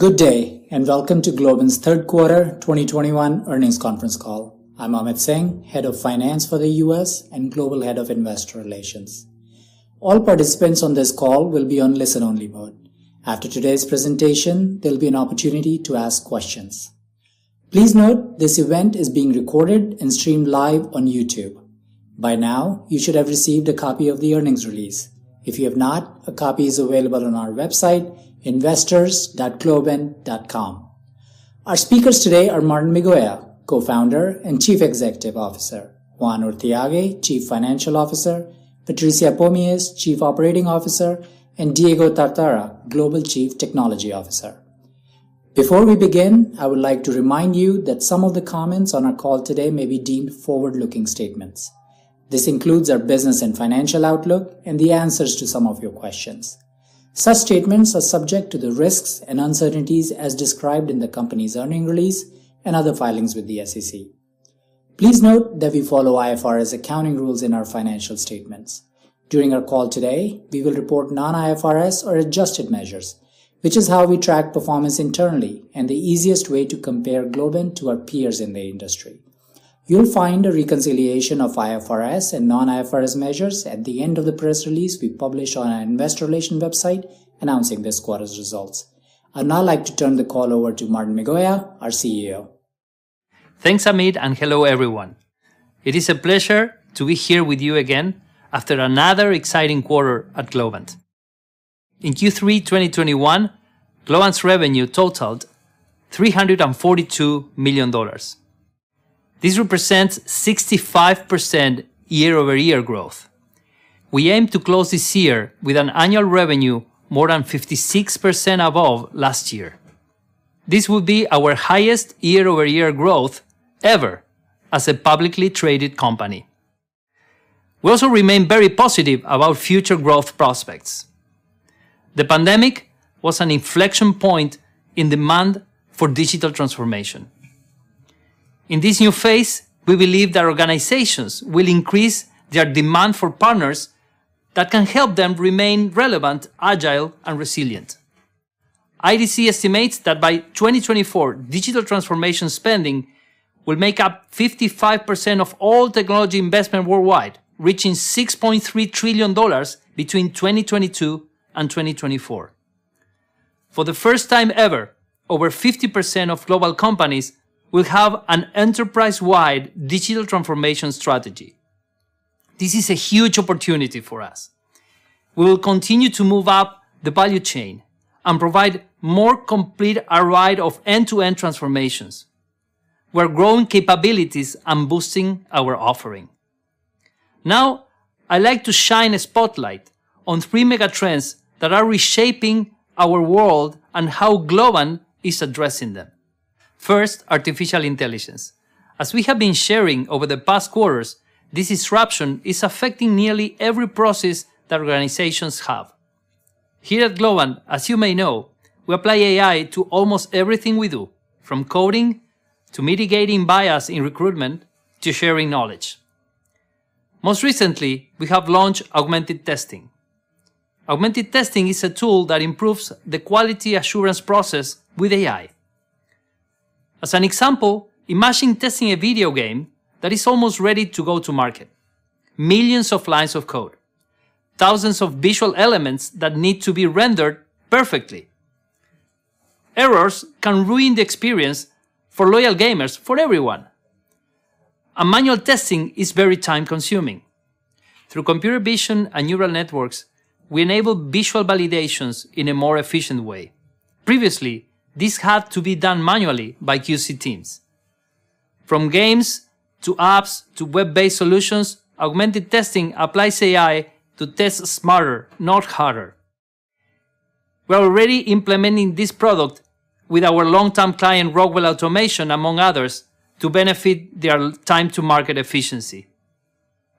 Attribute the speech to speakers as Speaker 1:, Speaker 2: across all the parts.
Speaker 1: Good day, and welcome to Globant's third quarter 2021 earnings conference call. I'm Amit Singh, Head of Finance for the U.S. and Global Head of Investor Relations. All participants on this call will be on listen-only mode. After today's presentation, there'll be an opportunity to ask questions. Please note this event is being recorded and streamed live on YouTube. By now, you should have received a copy of the earnings release. If you have not, a copy is available on our website, investors.globant.com. Our speakers today are Martín Migoya, Co-founder and Chief Executive Officer, Juan Urthiague, Chief Financial Officer, Patricia Pomies, Chief Operating Officer, and Diego Tartara, Global Chief Technology Officer. Before we begin, I would like to remind you that some of the comments on our call today may be deemed forward-looking statements. This includes our business and financial outlook and the answers to some of your questions. Such statements are subject to the risks and uncertainties as described in the company's earnings release and other filings with the SEC. Please note that we follow IFRS accounting rules in our financial statements. During our call today, we will report non-IFRS or adjusted measures, which is how we track performance internally and the easiest way to compare Globant to our peers in the industry. You'll find a reconciliation of IFRS and non-IFRS measures at the end of the press release we publish on our investor relations website announcing this quarter's results. I'd now like to turn the call over to Martín Migoya, our CEO.
Speaker 2: Thanks, Amit, and hello, everyone. It is a pleasure to be here with you again after another exciting quarter at Globant. In Q3 2021, Globant's revenue totaled $342 million. This represents 65% year-over-year growth. We aim to close this year with an annual revenue more than 56% above last year. This will be our highest year-over-year growth ever as a publicly traded company. We also remain very positive about future growth prospects. The pandemic was an inflection point in demand for digital transformation. In this new phase, we believe that organizations will increase their demand for partners that can help them remain relevant, agile, and resilient. IDC estimates that by 2024, digital transformation spending will make up 55% of all technology investment worldwide, reaching $6.3 trillion between 2022 and 2024. For the first time ever, over 50% of global companies will have an enterprise-wide digital transformation strategy. This is a huge opportunity for us. We will continue to move up the value chain and provide more complete array of end-to-end transformations. We're growing capabilities and boosting our offering. Now, I like to shine a spotlight on three mega trends that are reshaping our world and how Globant is addressing them. First, artificial intelligence. As we have been sharing over the past quarters, this disruption is affecting nearly every process that organizations have. Here at Globant, as you may know, we apply AI to almost everything we do, from coding to mitigating bias in recruitment to sharing knowledge. Most recently, we have launched Augmented Testing. Augmented Testing is a tool that improves the quality assurance process with AI. As an example, imagine testing a video game that is almost ready to go to market. Millions of lines of code, thousands of visual elements that need to be rendered perfectly. Errors can ruin the experience for loyal gamers, for everyone. Manual testing is very time-consuming. Through computer vision and neural networks, we enable visual validations in a more efficient way. Previously, this had to be done manually by QC teams. From games to apps to web-based solutions, Augmented testing applies AI to test smarter, not harder. We're already implementing this product with our long-term client, Rockwell Automation, among others, to benefit their time to market efficiency.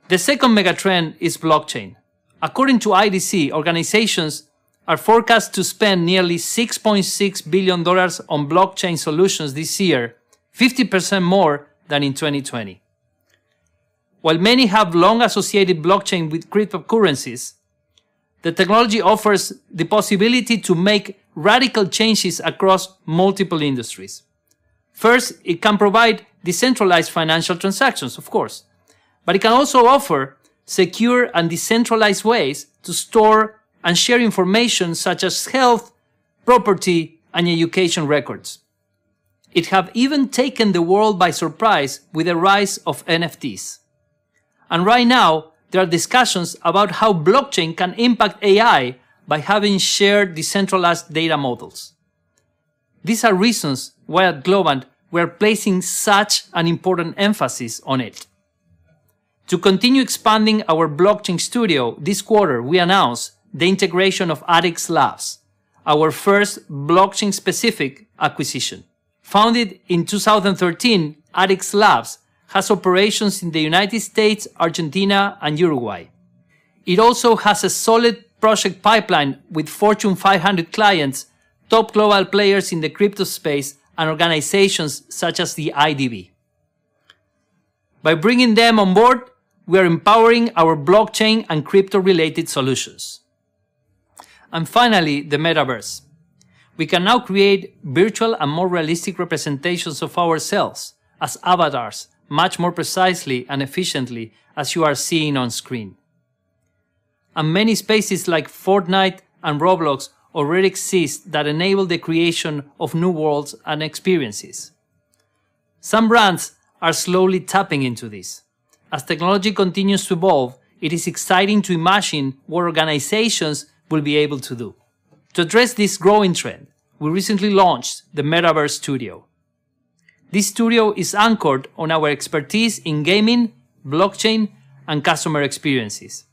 Speaker 2: The second mega trend is blockchain. According to IDC, organizations are forecast to spend nearly $6.6 billion on blockchain solutions this year, 50% more than in 2020. While many have long associated blockchain with cryptocurrencies, the technology offers the possibility to make radical changes across multiple industries. First, it can provide decentralized financial transactions, of course, but it can also offer secure and decentralized ways to store and share information such as health, property, and education records. It has even taken the world by surprise with the rise of NFTs. Right now, there are discussions about how blockchain can impact AI by having shared decentralized data models. These are reasons why at Globant we're placing such an important emphasis on it. To continue expanding our blockchain studio this quarter, we announced the integration of Atix Labs, our first blockchain-specific acquisition. Founded in 2013, Atix Labs has operations in the United States, Argentina, and Uruguay. It also has a solid project pipeline with Fortune 500 clients, top global players in the crypto space, and organizations such as the IDB. By bringing them on board, we are empowering our blockchain and crypto-related solutions. Finally, the Metaverse. We can now create virtual and more realistic representations of ourselves as avatars, much more precisely and efficiently as you are seeing on screen. Many spaces like Fortnite and Roblox already exist that enable the creation of new worlds and experiences. Some brands are slowly tapping into this. As technology continues to evolve, it is exciting to imagine what organizations will be able to do. To address this growing trend, we recently launched the Metaverse Studio. This studio is anchored on our expertise in gaming, blockchain, and customer experiences.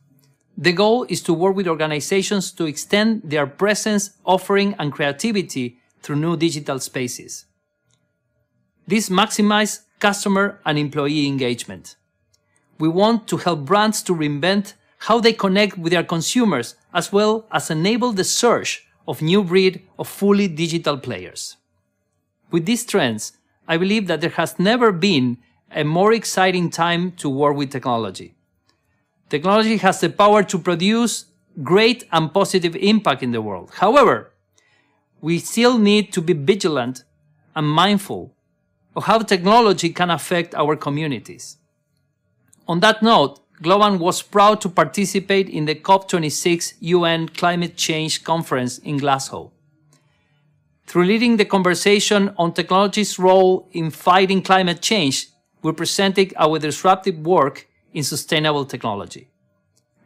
Speaker 2: The goal is to work with organizations to extend their presence, offering, and creativity through new digital spaces. This maximizes customer and employee engagement. We want to help brands to reinvent how they connect with their consumers, as well as enable the search of new breed of fully digital players. With these trends, I believe that there has never been a more exciting time to work with technology. Technology has the power to produce great and positive impact in the world. However, we still need to be vigilant and mindful of how technology can affect our communities. On that note, Globant was proud to participate in the COP26 UN Climate Change Conference in Glasgow. Through leading the conversation on technology's role in fighting climate change, we're presenting our disruptive work in sustainable technology.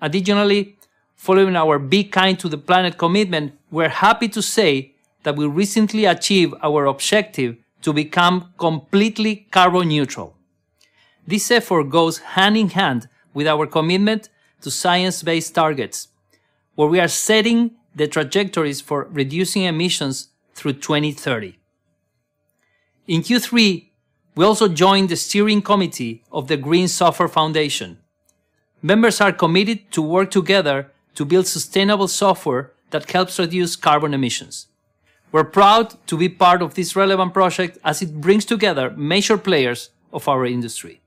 Speaker 2: Additionally, following our Be Kind to the Planet commitment, we're happy to say that we recently achieved our objective to become completely carbon neutral. This effort goes hand in hand with our commitment to science-based targets, where we are setting the trajectories for reducing emissions through 2030. In Q3, we also joined the steering committee of the Green Software Foundation. Members are committed to work together to build sustainable software that helps reduce carbon emissions. We're proud to be part of this relevant project as it brings together major players of our industry.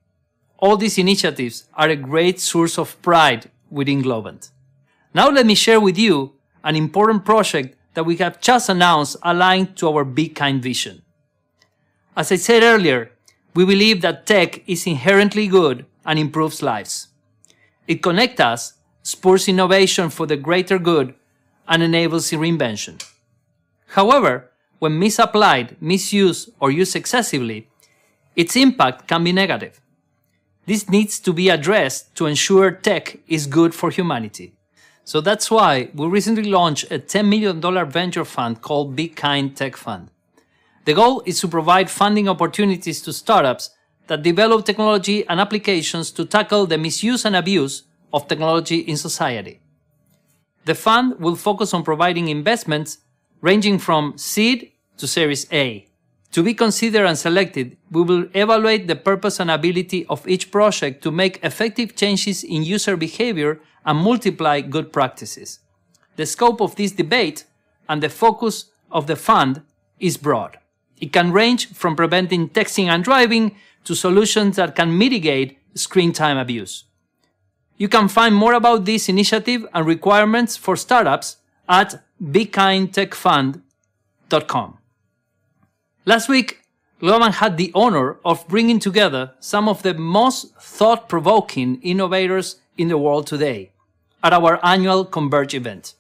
Speaker 2: All these initiatives are a great source of pride within Globant. Now let me share with you an important project that we have just announced aligned to our Be Kind vision. As I said earlier, we believe that tech is inherently good and improves lives. It connect us, spurs innovation for the greater good, and enables reinvention. However, when misapplied, misused, or used excessively, its impact can be negative. This needs to be addressed to ensure tech is good for humanity. That's why we recently launched a $10 million venture fund called Be Kind Tech Fund. The goal is to provide funding opportunities to startups that develop technology and applications to tackle the misuse and abuse of technology in society. The fund will focus on providing investments ranging from seed to Series A. To be considered and selected, we will evaluate the purpose and ability of each project to make effective changes in user behavior and multiply good practices. The scope of this debate and the focus of the fund is broad. It can range from preventing texting and driving to solutions that can mitigate screen time abuse. You can find more about this initiative and requirements for startups at bekindtechfund.com. Last week, Globant had the honor of bringing together some of the most thought-provoking innovators in the world today at our annual Converge event.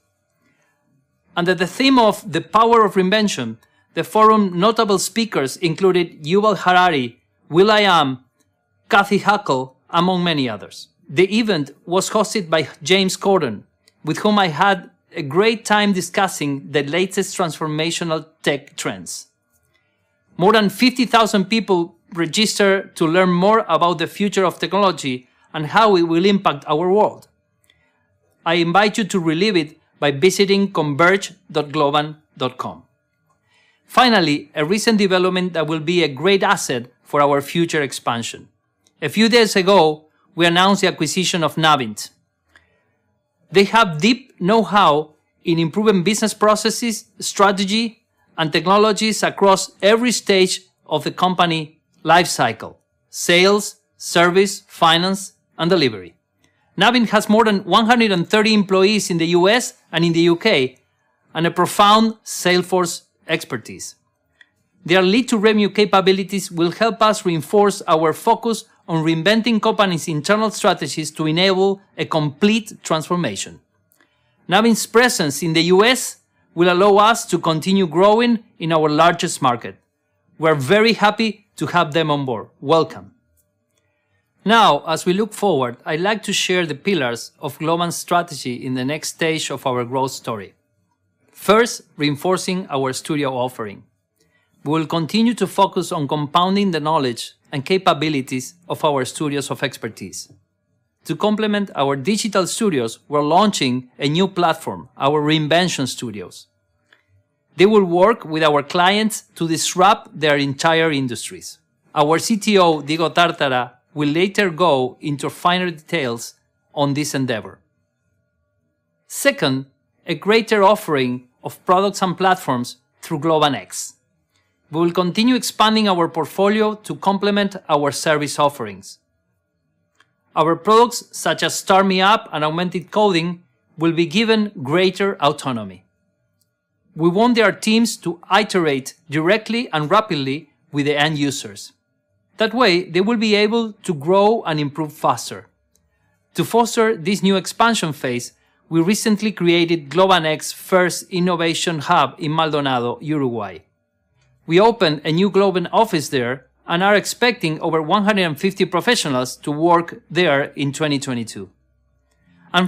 Speaker 2: Under the theme of The Power of Reinvention, the forum notable speakers included Yuval Harari, will.i.am, Cathy Hackl, among many others. The event was hosted by James Corden, with whom I had a great time discussing the latest transformational tech trends. More than 50,000 people registered to learn more about the future of technology and how it will impact our world. I invite you to relive it by visiting converge.globant.com. Finally, a recent development that will be a great asset for our future expansion. A few days ago, we announced the acquisition of Navint. They have deep know-how in improving business processes, strategy, and technologies across every stage of the company life cycle, sales, service, finance, and delivery. Navint has more than 130 employees in the U.S. and in the U.K., and a profound Salesforce expertise. Their lead-to-revenue capabilities will help us reinforce our focus on reinventing companies' internal strategies to enable a complete transformation. Navint's presence in the U.S. will allow us to continue growing in our largest market. We're very happy to have them on board. Welcome. Now, as we look forward, I'd like to share the pillars of Globant's strategy in the next stage of our growth story. First, reinforcing our studio offering. We'll continue to focus on compounding the knowledge and capabilities of our studios of expertise. To complement our digital studios, we're launching a new platform, our reinvention studios. They will work with our clients to disrupt their entire industries. Our CTO, Diego Tartara, will later go into finer details on this endeavor. Second, a greater offering of products and platforms through Globant X. We will continue expanding our portfolio to complement our service offerings. Our products, such as StarMeUp and Augmented Coding, will be given greater autonomy. We want their teams to iterate directly and rapidly with the end users. That way, they will be able to grow and improve faster. To foster this new expansion phase, we recently created Globant X first innovation hub in Maldonado, Uruguay. We opened a new Globant office there and are expecting over 150 professionals to work there in 2022.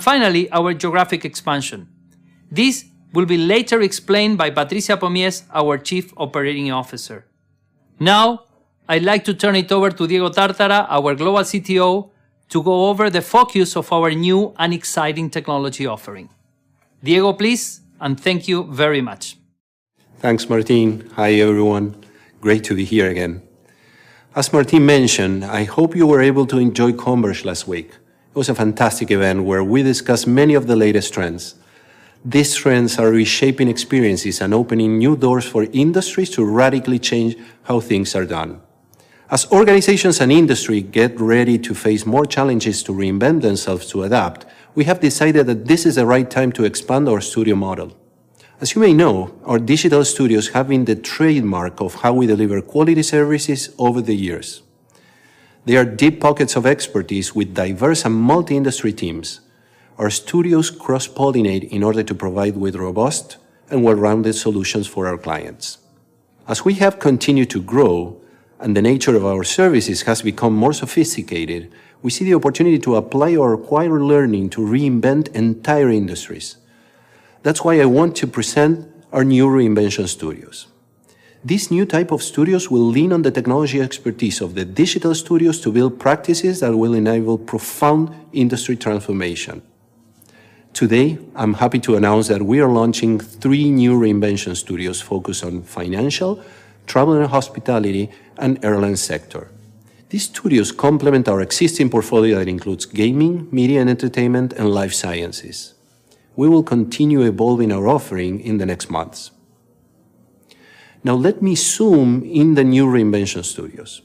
Speaker 2: Finally, our geographic expansion. This will be later explained by Patricia Pomies, our Chief Operating Officer. Now, I'd like to turn it over to Diego Tartara, our Global CTO, to go over the focus of our new and exciting technology offering. Diego, please, and thank you very much.
Speaker 3: Thanks, Martin. Hi, everyone. Great to be here again. As Martin mentioned, I hope you were able to enjoy Converge last week. It was a fantastic event where we discussed many of the latest trends. These trends are reshaping experiences and opening new doors for industries to radically change how things are done. As organizations and industry get ready to face more challenges to reinvent themselves to adapt, we have decided that this is the right time to expand our studio model. As you may know, our digital studios have been the trademark of how we deliver quality services over the years. They are deep pockets of expertise with diverse and multi-industry teams. Our studios cross-pollinate in order to provide with robust and well-rounded solutions for our clients. As we have continued to grow and the nature of our services has become more sophisticated, we see the opportunity to apply our acquired learning to reinvent entire industries. That's why I want to present our new reinvention studios. These new type of studios will lean on the technology expertise of the digital studios to build practices that will enable profound industry transformation. Today, I'm happy to announce that we are launching three new reinvention studios focused on financial, travel and hospitality, and airline sector. These studios complement our existing portfolio that includes gaming, media and entertainment, and life sciences. We will continue evolving our offering in the next months. Now let me zoom in the new reinvention studios.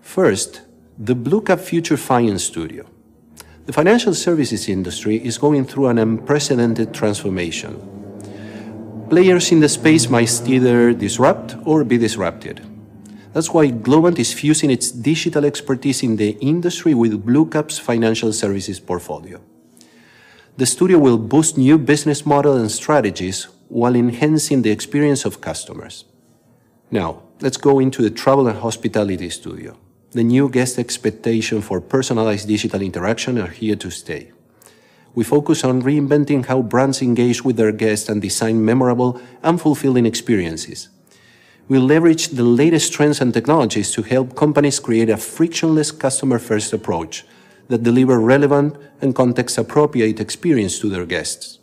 Speaker 3: First, the Bluecap Future Finance Studio. The financial services industry is going through an unprecedented transformation. Players in the space must either disrupt or be disrupted. That's why Globant is fusing its digital expertise in the industry with Bluecap's financial services portfolio. The studio will boost new business model and strategies while enhancing the experience of customers. Now, let's go into the Travel and Hospitality Studio. The new guest expectation for personalized digital interaction are here to stay. We focus on reinventing how brands engage with their guests and design memorable and fulfilling experiences. We leverage the latest trends and technologies to help companies create a frictionless customer-first approach that deliver relevant and context-appropriate experience to their guests.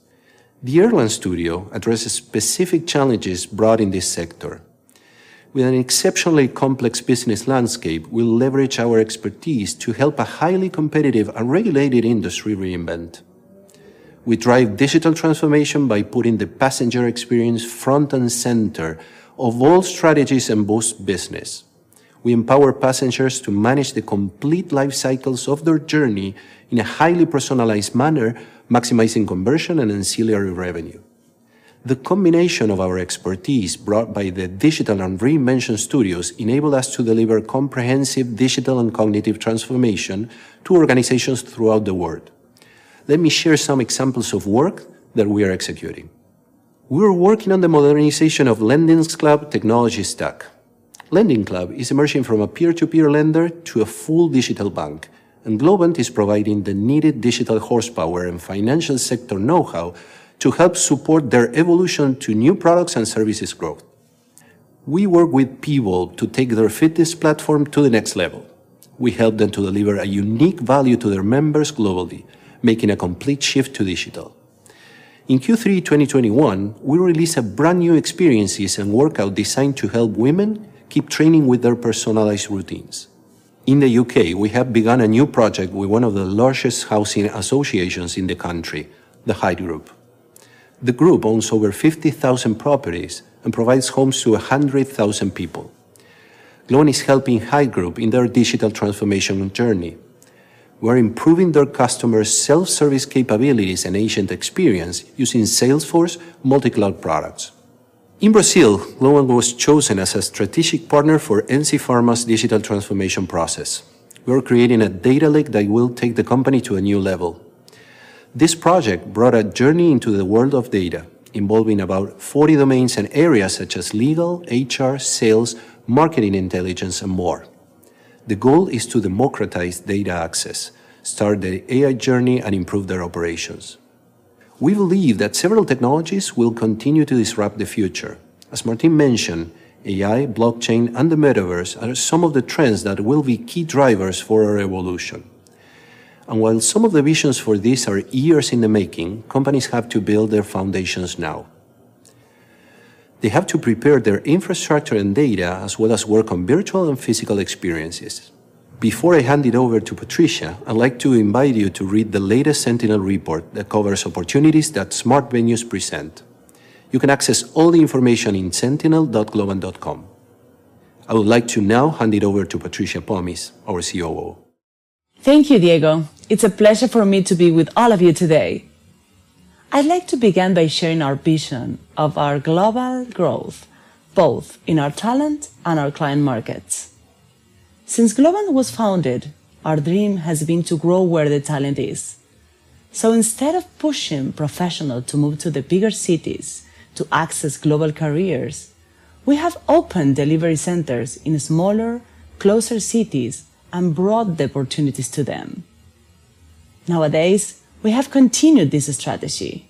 Speaker 3: The Airlines Studio addresses specific challenges brought in this sector. With an exceptionally complex business landscape, we'll leverage our expertise to help a highly competitive and regulated industry reinvent. We drive digital transformation by putting the passenger experience front and center of all strategies and boost business. We empower passengers to manage the complete life cycles of their journey in a highly personalized manner, maximizing conversion and ancillary revenue. The combination of our expertise brought by the digital and reinvention studios enable us to deliver comprehensive digital and cognitive transformation to organizations throughout the world. Let me share some examples of work that we are executing. We're working on the modernization of LendingClub's technology stack. LendingClub is emerging from a peer-to-peer lender to a full digital bank, and Globant is providing the needed digital horsepower and financial sector know-how to help support their evolution to new products and services growth. We work with Peloton to take their fitness platform to the next level. We help them to deliver a unique value to their members globally, making a complete shift to digital. In Q3 2021, we release a brand new experiences and workout designed to help women keep training with their personalized routines. In the U.K., we have begun a new project with one of the largest housing associations in the country, The Hyde Group. The group owns over 50,000 properties and provides homes to 100,000 people. Globant is helping The Hyde Group in their digital transformation journey. We're improving their customers' self-service capabilities and enhanced experience using Salesforce multi-cloud products. In Brazil, Globant was chosen as a strategic partner for NC Farma's digital transformation process. We are creating a data lake that will take the company to a new level. This project brought a journey into the world of data, involving about 40 domains and areas such as legal, HR, sales, marketing intelligence, and more. The goal is to democratize data access, start the AI journey, and improve their operations. We believe that several technologies will continue to disrupt the future. As Martin mentioned, AI, blockchain, and the metaverse are some of the trends that will be key drivers for our evolution. While some of the visions for this are years in the making, companies have to build their foundations now. They have to prepare their infrastructure and data as well as work on virtual and physical experiences. Before I hand it over to Patricia, I'd like to invite you to read the latest Sentinel Report that covers opportunities that smart venues present. You can access all the information in sentinel.globant.com. I would like to now hand it over to Patricia Pomies, our COO.
Speaker 4: Thank you, Diego. It's a pleasure for me to be with all of you today. I'd like to begin by sharing our vision of our global growth, both in our talent and our client markets. Since Globant was founded, our dream has been to grow where the talent is. Instead of pushing professionals to move to the bigger cities to access global careers, we have opened delivery centers in smaller, closer cities and brought the opportunities to them. Nowadays, we have continued this strategy.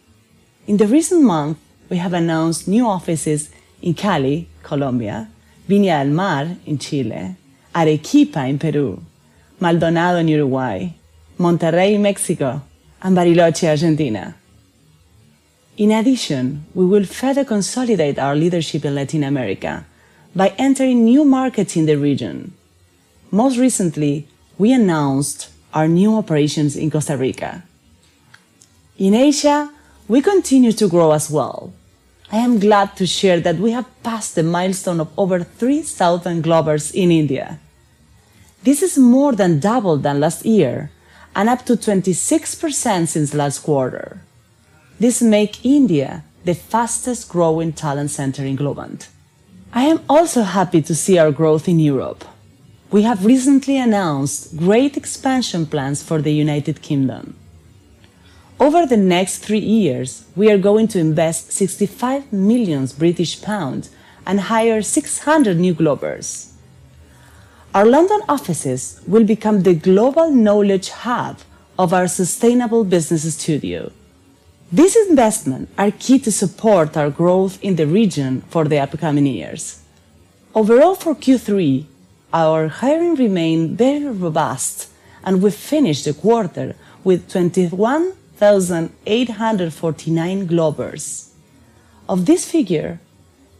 Speaker 4: In the recent months, we have announced new offices in Cali, Colombia, Viña del Mar in Chile, Arequipa in Peru, Maldonado in Uruguay, Monterrey in Mexico, and Bariloche, Argentina. In addition, we will further consolidate our leadership in Latin America by entering new markets in the region. Most recently, we announced our new operations in Costa Rica. In Asia, we continue to grow as well. I am glad to share that we have passed the milestone of over 3,000 Globers in India. This is more than double than last year and up 26% since last quarter. This make India the fastest growing talent center in Globant. I am also happy to see our growth in Europe. We have recently announced great expansion plans for the United Kingdom. Over the next 3 years, we are going to invest 65 million British pounds and hire 600 new Globers. Our London offices will become the global knowledge hub of our sustainable business studio. This investment are key to support our growth in the region for the upcoming years. Overall, for Q3, our hiring remained very robust, and we finished the quarter with 21,849 Globers. Of this figure,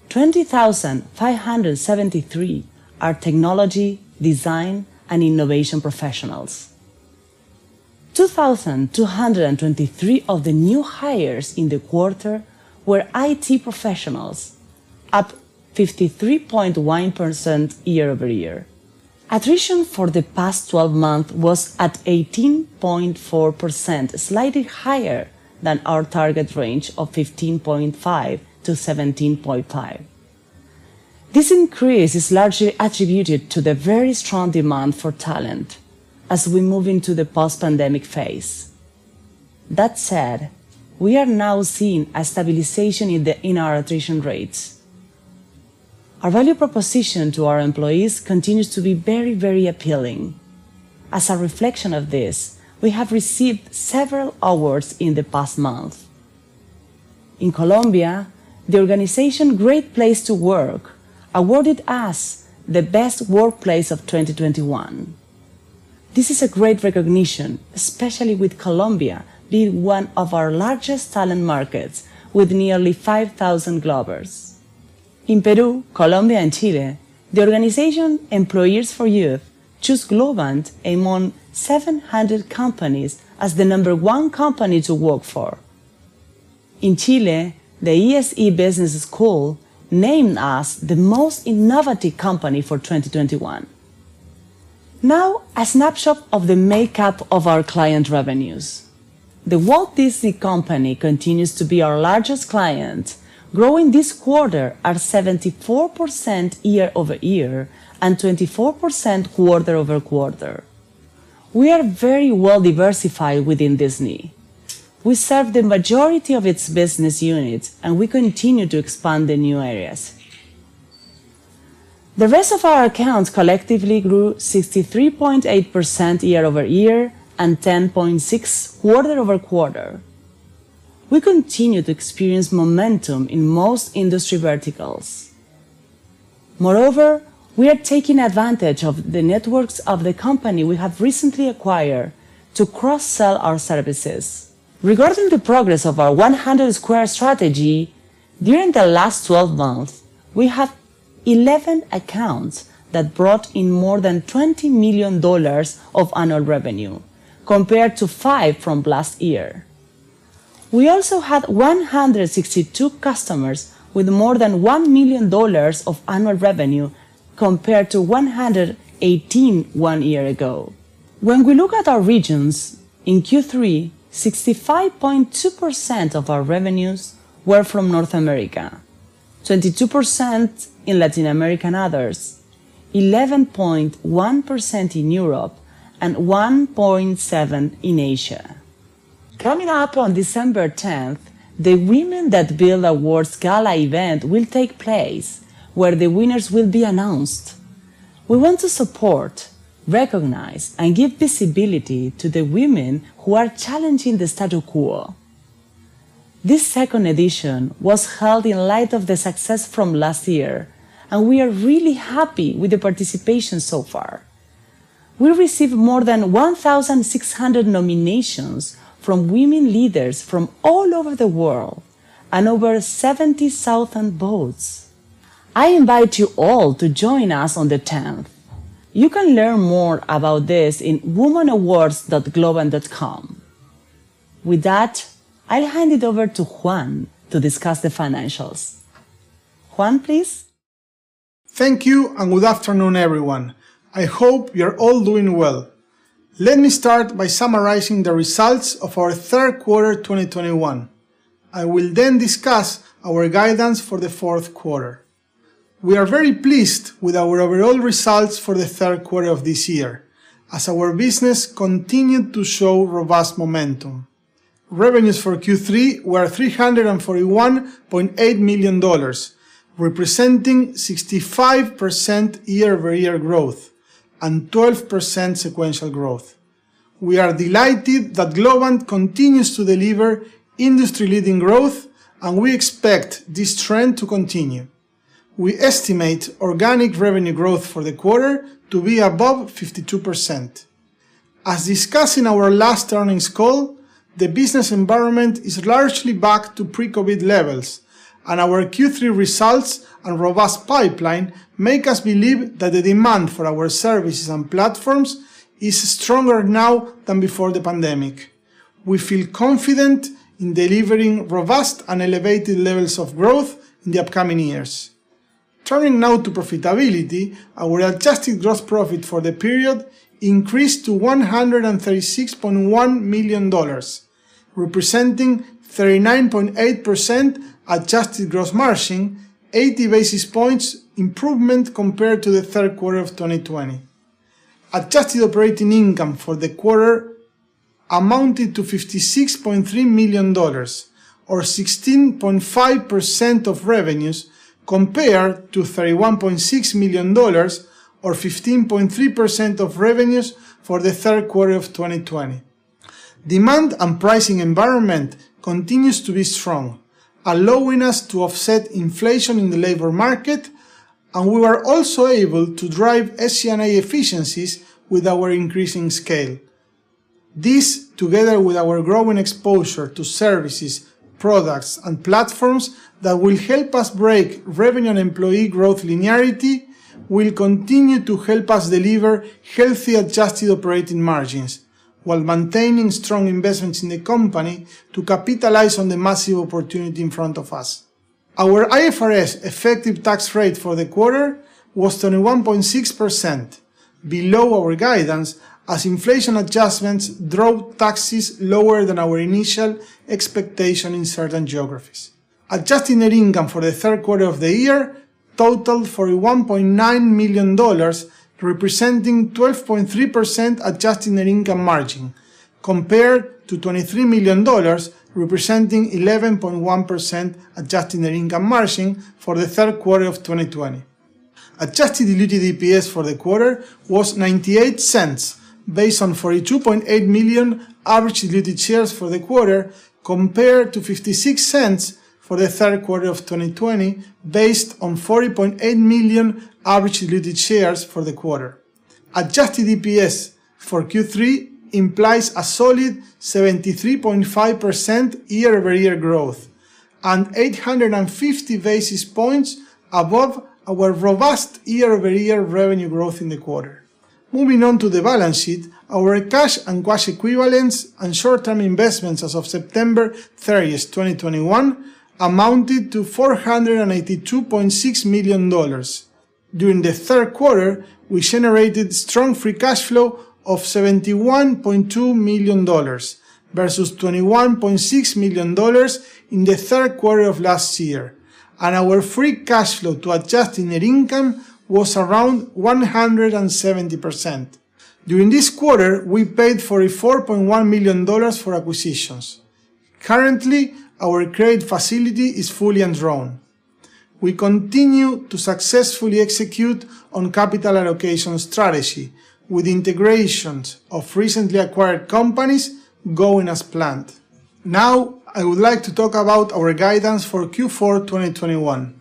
Speaker 4: 20,573 are technology, design, and innovation professionals. 2,223 of the new hires in the quarter were IT professionals, up 53.1% year-over-year. Attrition for the past 12 months was at 18.4%, slightly higher than our target range of 15.5%-17.5%. This increase is largely attributed to the very strong demand for talent as we move into the post-pandemic phase. That said, we are now seeing a stabilization in our attrition rates. Our value proposition to our employees continues to be very, very appealing. As a reflection of this, we have received several awards in the past month. In Colombia, the organization Great Place to Work awarded us the Best Workplace of 2021. This is a great recognition, especially with Colombia being one of our largest talent markets with nearly 5,000 Globers. In Peru, Colombia, and Chile, the organization Employers for Youth chose Globant among 700 companies as the number one company to work for. In Chile, the ESE Business School named us the Most Innovative Company for 2021. Now, a snapshot of the makeup of our client revenues. The Walt Disney Company continues to be our largest client, growing this quarter at 74% year-over-year and 24% quarter-over-quarter. We are very well diversified within Disney. We serve the majority of its business units, and we continue to expand in new areas. The rest of our accounts collectively grew 63.8% year-over-year and 10.6% quarter-over-quarter. We continue to experience momentum in most industry verticals. Moreover, we are taking advantage of the networks of the company we have recently acquired to cross-sell our services. Regarding the progress of our 100 squared strategy, during the last 12 months, we have 11 accounts that brought in more than $20 million of annual revenue, compared to five from last year. We also had 162 customers with more than $1 million of annual revenue, compared to 118 one year ago. When we look at our regions, in Q3, 65.2% of our revenues were from North America, 22% in Latin America and others, 11.1% in Europe and 1.7% in Asia. Coming up on December tenth, the Women that Build Awards gala event will take place where the winners will be announced. We want to support, recognize and give visibility to the women who are challenging the status quo. This second edition was held in light of the success from last year, and we are really happy with the participation so far. We received more than 1,600 nominations from women leaders from all over the world and over 70,000 votes. I invite you all to join us on the 10th. You can learn more about this in womenawards.globant.com. With that, I'll hand it over to Juan to discuss the financials. Juan, please.
Speaker 5: Thank you, and good afternoon, everyone. I hope you're all doing well. Let me start by summarizing the results of our third quarter 2021. I will then discuss our guidance for the fourth quarter. We are very pleased with our overall results for the third quarter of this year, as our business continued to show robust momentum. Revenues for Q3 were $341.8 million, representing 65% year-over-year growth and 12% sequential growth. We are delighted that Globant continues to deliver industry-leading growth, and we expect this trend to continue. We estimate organic revenue growth for the quarter to be above 52%. As discussed in our last earnings call, the business environment is largely back to pre-COVID levels, and our Q3 results and robust pipeline make us believe that the demand for our services and platforms is stronger now than before the pandemic. We feel confident in delivering robust and elevated levels of growth in the upcoming years. Turning now to profitability, our adjusted gross profit for the period increased to $136.1 million, representing 39.8% adjusted gross margin, 80 basis points improvement compared to the third quarter of 2020. Adjusted operating income for the quarter amounted to $56.3 million or 16.5% of revenues compared to $31.6 million or 15.3% of revenues for the third quarter of 2020. Demand and pricing environment continues to be strong, allowing us to offset inflation in the labor market, and we were also able to drive SG&A efficiencies with our increasing scale. This, together with our growing exposure to services, products, and platforms that will help us break revenue and employee growth linearity, will continue to help us deliver healthy adjusted operating margins while maintaining strong investments in the company to capitalize on the massive opportunity in front of us. Our IFRS effective tax rate for the quarter was 21.6%, below our guidance as inflation adjustments drove taxes lower than our initial expectation in certain geographies. Adjusted net income for the third quarter of the year totaled $41.9 million, representing 12.3% adjusted net income margin compared to $23 million, representing 11.1% adjusted net income margin for the third quarter of 2020. Adjusted diluted EPS for the quarter was $0.98 based on 42.8 million average diluted shares for the quarter compared to $0.56 for the third quarter of 2020 based on 40.8 million average diluted shares for the quarter. Adjusted EPS for Q3 implies a solid 73.5% year-over-year growth and 850 basis points above our robust year-over-year revenue growth in the quarter. Moving on to the balance sheet, our cash and cash equivalents and short-term investments as of September 30, 2021 amounted to $482.6 million. During the third quarter, we generated strong free cash flow of $71.2 million versus $21.6 million in the third quarter of last year. Our free cash flow to adjusted net income was around 170%. During this quarter, we paid $44.1 million for acquisitions. Currently, our credit facility is fully undrawn. We continue to successfully execute on capital allocation strategy with integrations of recently acquired companies going as planned. Now, I would like to talk about our guidance for Q4 2021.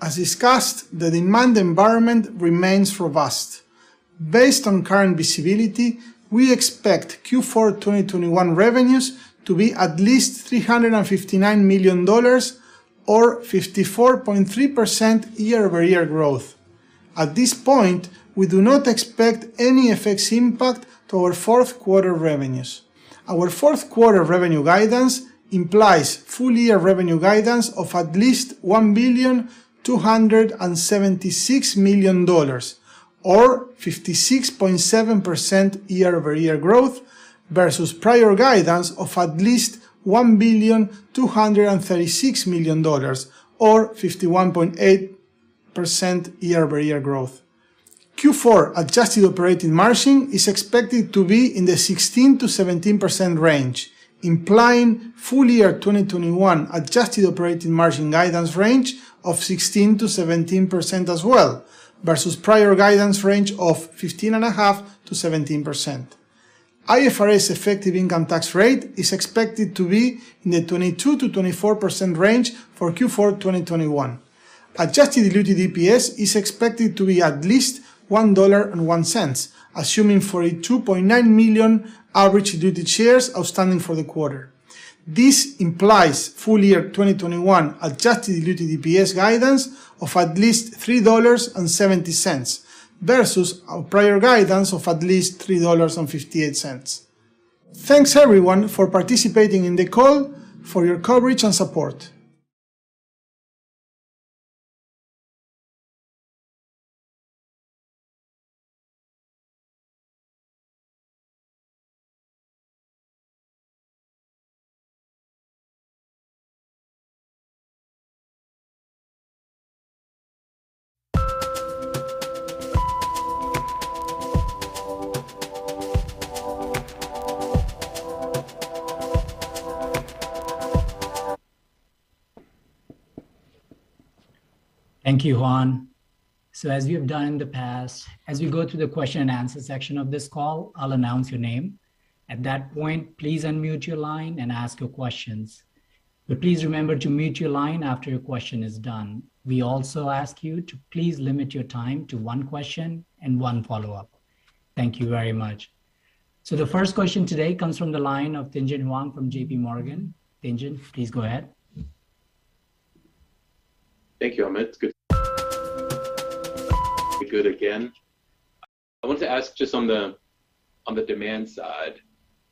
Speaker 5: As discussed, the demand environment remains robust. Based on current visibility, we expect Q4 2021 revenues to be at least $359 million or 54.3% year-over-year growth. At this point, we do not expect any FX impact to our fourth quarter revenues. Our fourth quarter revenue guidance implies full-year revenue guidance of at least $1.276 billion or 56.7% year-over-year growth versus prior guidance of at least $1.236 billion or 51.8% year-over-year growth. Q4 adjusted operating margin is expected to be in the 16%-17% range, implying full year 2021 adjusted operating margin guidance range of 16%-17% as well versus prior guidance range of 15.5%-17%. IFRS effective income tax rate is expected to be in the 22%-24% range for Q4 2021. Adjusted diluted EPS is expected to be at least $1.01, assuming 2.9 million average diluted shares outstanding for the quarter. This implies full year 2021 adjusted diluted EPS guidance of at least $3.70 versus our prior guidance of at least $3.58. Thanks everyone for participating in the call, for your coverage and support.
Speaker 1: Thank you, Juan. As we have done in the past, as we go through the question and answer section of this call, I'll announce your name. At that point, please unmute your line and ask your questions. But please remember to mute your line after your question is done. We also ask you to please limit your time to one question and one follow-up. Thank you very much. The first question today comes from the line of Tien-Tsin Huang from JPMorgan. Tien-Tsin, please go ahead.
Speaker 6: Thank you Amit Good again I want to ask just on the demand side,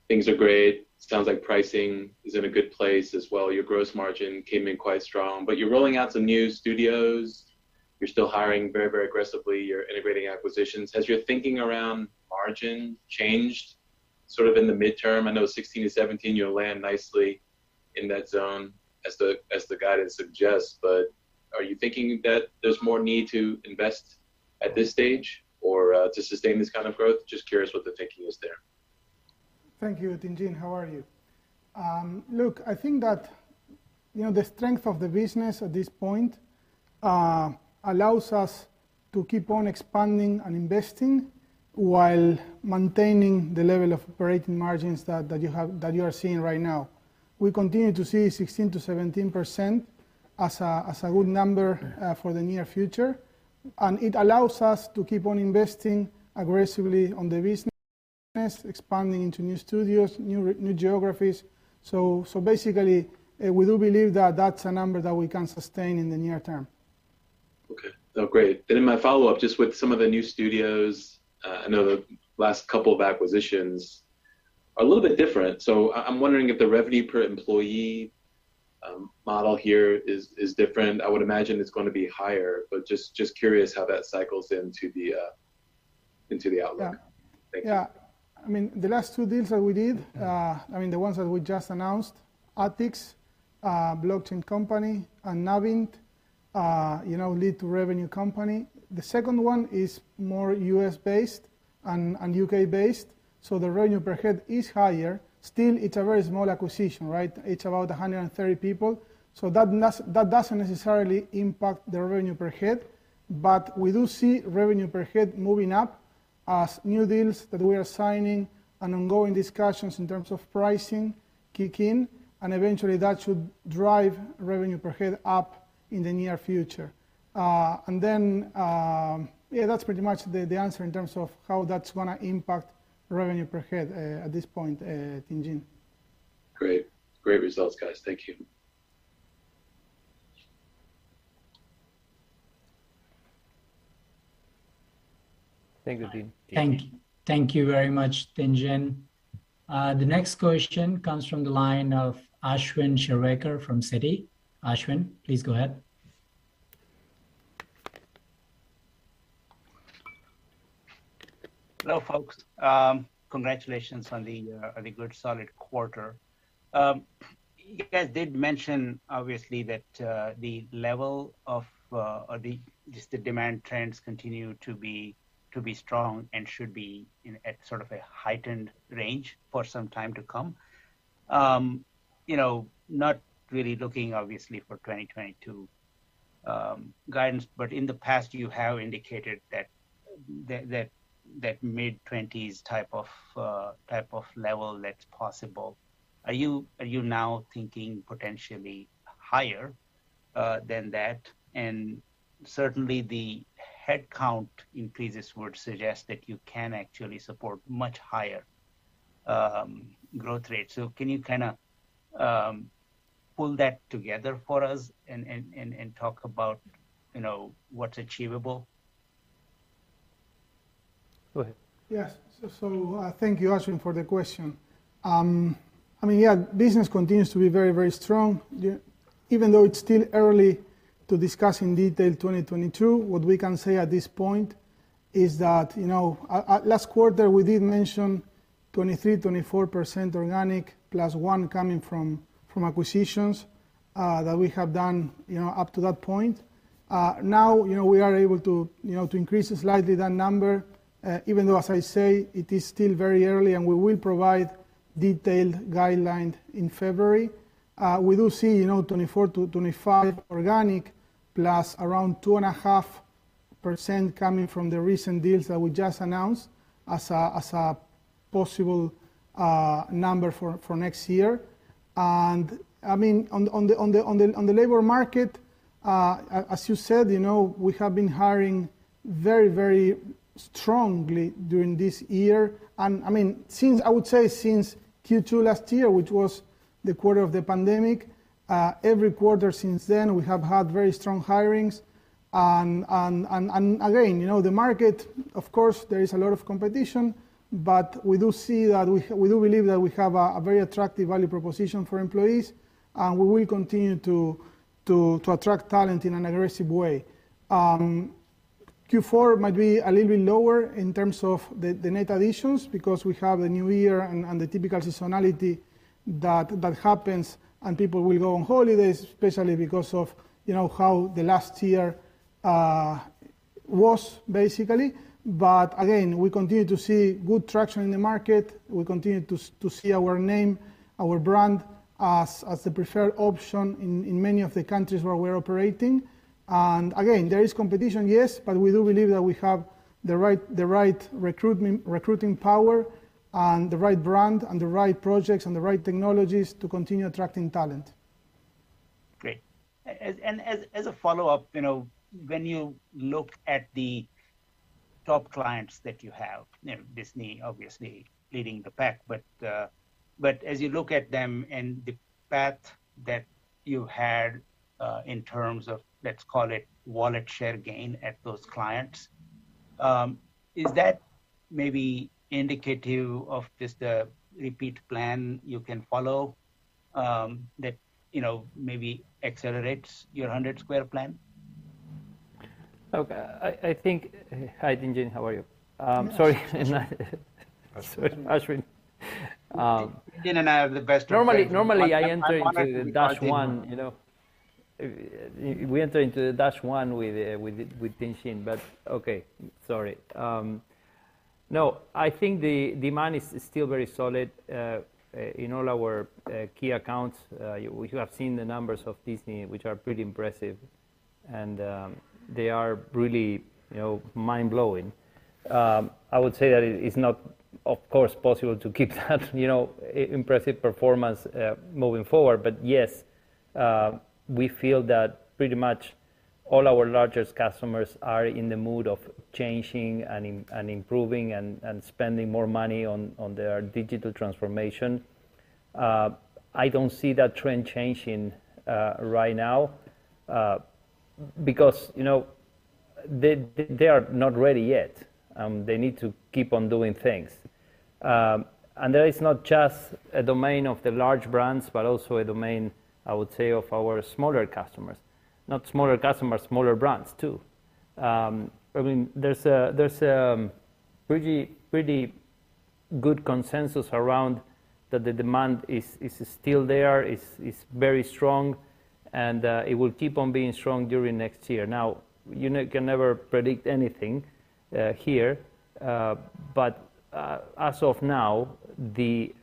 Speaker 6: things are great. Sounds like pricing is in a good place as well. Your gross margin came in quite strong, but you're rolling out some new studios. You're still hiring very, very aggressively. You're integrating acquisitions. Has your thinking around margin changed sort of in the midterm? I know 16%-17%, you'll land nicely in that zone as the guidance suggests, but are you thinking that there's more need to invest at this stage or to sustain this kind of growth? Just curious what the thinking is there.
Speaker 5: Thank you Tien-Tsin Huang how are you? Look, I think that, you know, the strength of the business at this point allows us to keep on expanding and investing while maintaining the level of operating margins that you are seeing right now. We continue to see 16%-17% as a good number for the near future, and it allows us to keep on investing aggressively on the business, expanding into new studios, new geographies. Basically, we do believe that that's a number that we can sustain in the near term.
Speaker 6: Okay. Oh, great. In my follow-up, just with some of the new studios, I know the last couple of acquisitions are a little bit different, so I'm wondering if the revenue per employee model here is different. I would imagine it's gonna be higher, but just curious how that cycles into the outlook.
Speaker 5: Yeah.
Speaker 6: Thanks.
Speaker 5: Yeah. I mean, the last two deals that we did, I mean, the ones that we just announced, Atix, a blockchain company, and Navint, you know, lead-to-revenue company. The second one is more U.S. based and U.K. based, so the revenue per head is higher. Still, it's a very small acquisition, right? It's about 130 people, so that doesn't necessarily impact the revenue per head. But we do see revenue per head moving up as new deals that we are signing and ongoing discussions in terms of pricing kick in, and eventually that should drive revenue per head up in the near future. And then, yeah, that's pretty much the answer in terms of how that's gonna impact revenue per head, at this point, Tien.
Speaker 6: Great. Great results, guys. Thank you.
Speaker 1: Thank you. Thank you very much, Tien-Tsin. The next question comes from the line of Ashwin Shirvaikar from Citi. Ashwin, please go ahead.
Speaker 7: Hello folks congratulations on the good solid quarter. You guys did mention obviously that the level of just the demand trends continue to be strong and should be in at sort of a heightened range for some time to come. You know, not really looking obviously for 2022 guidance, but in the past, you have indicated that mid-20s% type of level that's possible. Are you now thinking potentially higher than that? Certainly, the headcount increases would suggest that you can actually support much higher growth rates. Can you kinda pull that together for us and talk about, you know, what's achievable?
Speaker 2: Go ahead.
Speaker 5: Thank you Ashwin for the question. Business continues to be very strong. Even though it's still early to discuss in detail 2022, what we can say at this point is that at last quarter, we did mention 23-24% organic +1% coming from acquisitions that we have done up to that point. Now we are able to increase slightly that number, even though as I say it is still very early, and we will provide detailed guidance in February. We do see 24-25% organic plus around 2.5% coming from the recent deals that we just announced as a possible number for next year. I mean on the labor market, as you said, you know, we have been hiring very strongly during this year. I mean, since I would say since Q2 last year, which was the quarter of the pandemic, every quarter since then, we have had very strong hirings. Again, you know, the market, of course, there is a lot of competition, but we do see that we do believe that we have a very attractive value proposition for employees. We will continue to attract talent in an aggressive way. Q4 might be a little bit lower in terms of the net additions because we have the new year and the typical seasonality that happens, and people will go on holidays, especially because of, you know, how the last year was basically. Again, we continue to see good traction in the market. We continue to see our name, our brand as the preferred option in many of the countries where we're operating. Again, there is competition, yes, but we do believe that we have the right recruiting power and the right brand and the right projects and the right technologies to continue attracting talent.
Speaker 7: Great as a follow-up, you know, when you look at the top clients that you have, you know, Disney obviously leading the pack. But as you look at them and the path that you had in terms of, let's call it, wallet share gain at those clients, is that maybe indicative of just the repeat plan you can follow, that, you know, maybe accelerates your 100 squared strategy?
Speaker 2: Hi Tien-Tsin how are you? Sorry, Ashwin.
Speaker 7: Tien-Tsin Huang and I have the best relationship.
Speaker 2: Normally I enter into the Dash-1, you know. We enter into the Dash-1 with Tien-Tsin Huang. Okay, sorry. I think the demand is still very solid in all our key accounts. You have seen the numbers of Disney, which are pretty impressive and they are really, you know, mind-blowing. I would say that it's not, of course, possible to keep that, you know, impressive performance moving forward. Yes, we feel that pretty much all our largest customers are in the mood of changing and improving and spending more money on their digital transformation. I don't see that trend changing right now because, you know, they are not ready yet. They need to keep on doing things. That is not just a domain of the large brands, but also a domain, I would say, of our smaller customers. Not smaller customers, smaller brands too. I mean, there's pretty good consensus around that the demand is still there, it's very strong, and it will keep on being strong during next year. Now, you can never predict anything here. But as of now, the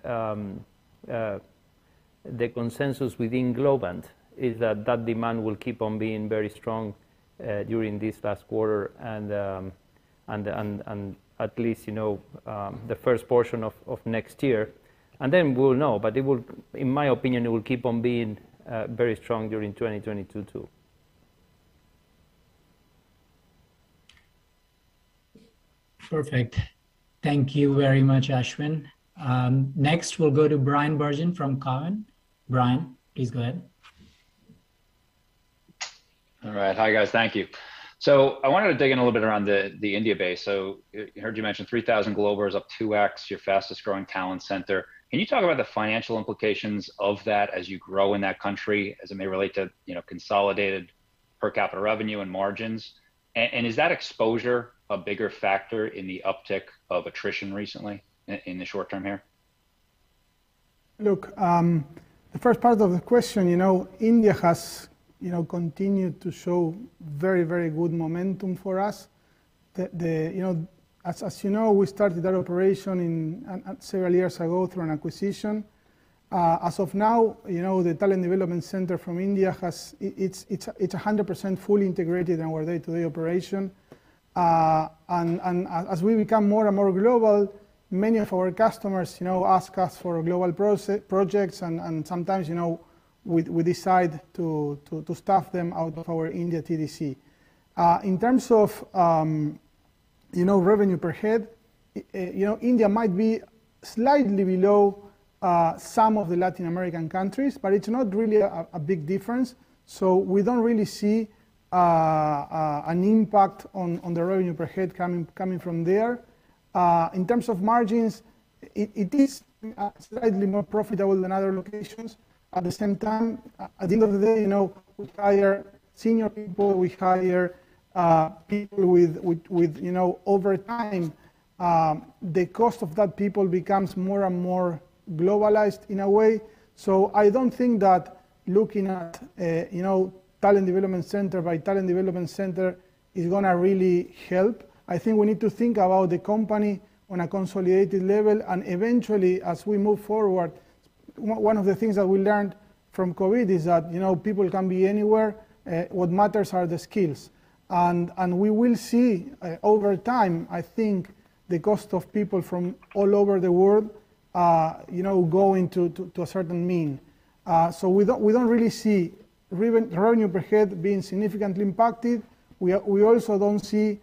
Speaker 2: consensus within Globant is that demand will keep on being very strong during this last quarter and at least, you know, the first portion of next year. Then we'll know, but it will, in my opinion, keep on being very strong during 2022 too.
Speaker 1: Perfect thank you very much Ashwin. Next, we'll go to Bryan Bergin from Cowen. Brian, please go ahead.
Speaker 8: All right hi guys thank you. I wanted to dig in a little bit around the India base. I heard you mention 3,000 Globers up 2x, your fastest-growing talent center. Can you talk about the financial implications of that as you grow in that country, as it may relate to, you know, consolidated per capita revenue and margins? And is that exposure a bigger factor in the uptick of attrition recently in the short term here?
Speaker 5: Look, the first part of the question, you know, India has, you know, continued to show very, very good momentum for us. You know, as you know, we started our operation in several years ago through an acquisition. As of now, you know, the talent development center from India it's 100% fully integrated in our day-to-day operation. And as we become more and more global, many of our customers, you know, ask us for global projects and sometimes, you know, we decide to staff them out of our India TDC. In terms of, you know, revenue per head, you know, India might be slightly below some of the Latin American countries, but it's not really a big difference. We don't really see an impact on the revenue per head coming from there. In terms of margins, it is slightly more profitable than other locations. At the same time, at the end of the day, you know, we hire senior people, we hire people with, you know, over time, the cost of that people becomes more and more globalized in a way. I don't think that looking at, you know, talent development center by talent development center is gonna really help. I think we need to think about the company on a consolidated level and eventually, as we move forward. One of the things that we learned from COVID is that, you know, people can be anywhere, what matters are the skills. We will see over time, I think the cost of people from all over the world, you know, going to a certain mean. We don't really see revenue per head being significantly impacted. We also don't see